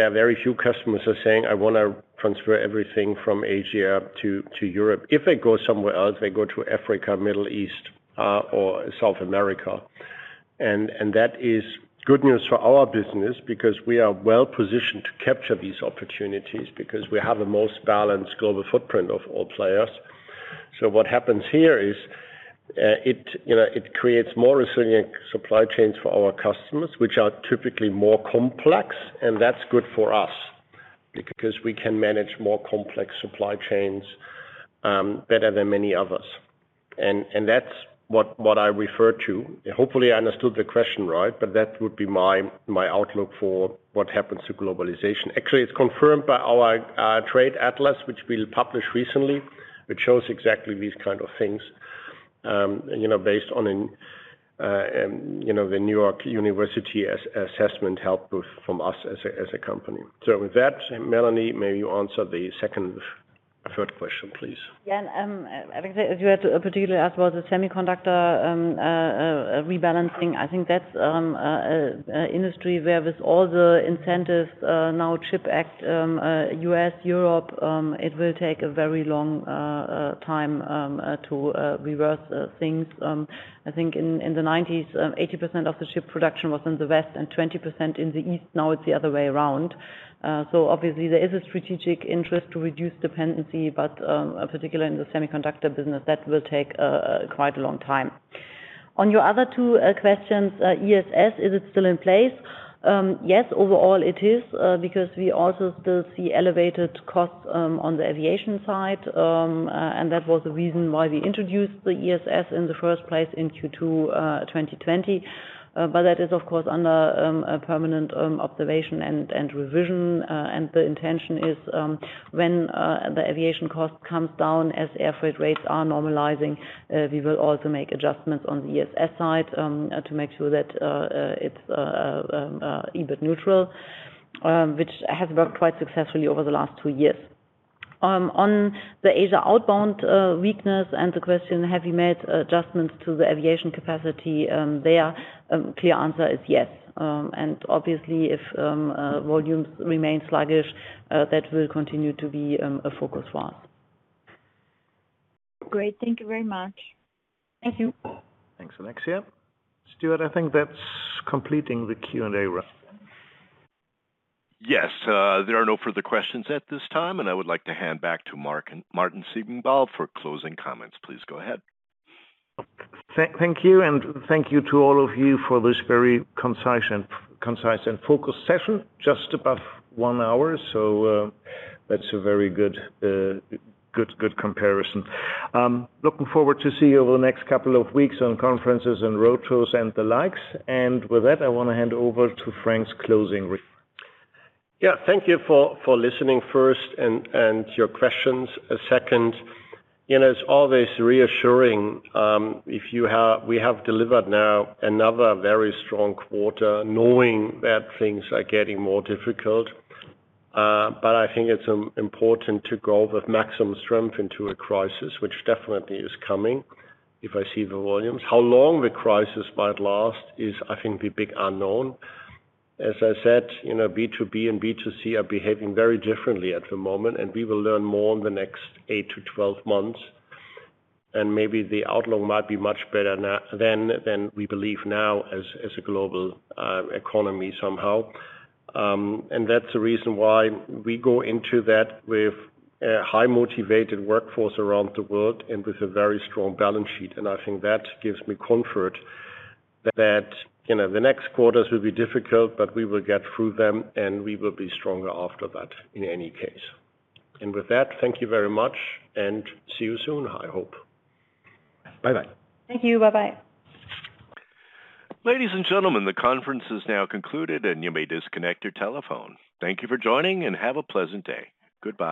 are very few customers who are saying, "I want to transfer everything from Asia to Europe." If they go somewhere else, they go to Africa, Middle East, or South America. That is good news for our business because we are well-positioned to capture these opportunities because we have the most balanced global footprint of all players. What happens here is it creates more resilient supply chains for our customers, which are typically more complex, that's good for us because we can manage more complex supply chains better than many others. That's what I refer to. Hopefully, I understood the question right, but that would be my outlook for what happens to globalization. Actually, it's confirmed by our trade atlas, which we published recently, which shows exactly these kind of things based on the New York University assessment help from us as a company. With that, Melanie, may you answer the second and third question, please? Alexia, as you had particularly asked about the semiconductor rebalancing, I think that's an industry where with all the incentives now, CHIPS Act, U.S., Europe, it will take a very long time to reverse things. I think in the '90s, 80% of the chip production was in the West and 20% in the East. Now it's the other way around. Obviously there is a strategic interest to reduce dependency, particularly in the semiconductor business, that will take quite a long time. On your other two questions, ESS, is it still in place? Yes, overall it is because we also still see elevated costs on the aviation side. That was the reason why we introduced the ESS in the first place in Q2 2020. That is, of course, under a permanent observation and revision. The intention is when the aviation cost comes down as air freight rates are normalizing, we will also make adjustments on the ESS side to make sure that it's EBIT neutral which has worked quite successfully over the last two years. On the Asia outbound weakness and the question, have we made adjustments to the aviation capacity there? Clear answer is yes. Obviously if volumes remain sluggish, that will continue to be a focus for us. Great. Thank you very much. Thank you. Thanks, Alexia. Stuart, I think that's completing the Q&A round. Yes. There are no further questions at this time. I would like to hand back to Martin Ziegenbalg for closing comments. Please go ahead. Thank you, and thank you to all of you for this very concise and focused session. Just above one hour, that's a very good comparison. Looking forward to see you over the next couple of weeks on conferences and road shows and the likes. With that, I want to hand over to Frank's closing remarks. Yeah. Thank you for listening first and your questions second. It's always reassuring if we have delivered now another very strong quarter knowing that things are getting more difficult. I think it's important to go with maximum strength into a crisis, which definitely is coming if I see the volumes. How long the crisis might last is, I think, the big unknown. As I said, B2B and B2C are behaving very differently at the moment, we will learn more in the next eight to 12 months. Maybe the outlook might be much better than we believe now as a global economy somehow. That's the reason why we go into that with a high motivated workforce around the world and with a very strong balance sheet. I think that gives me comfort that the next quarters will be difficult, but we will get through them, and we will be stronger after that in any case. With that, thank you very much and see you soon, I hope. Bye-bye. Thank you. Bye-bye. Ladies and gentlemen, the conference is now concluded, and you may disconnect your telephone. Thank you for joining, and have a pleasant day. Goodbye.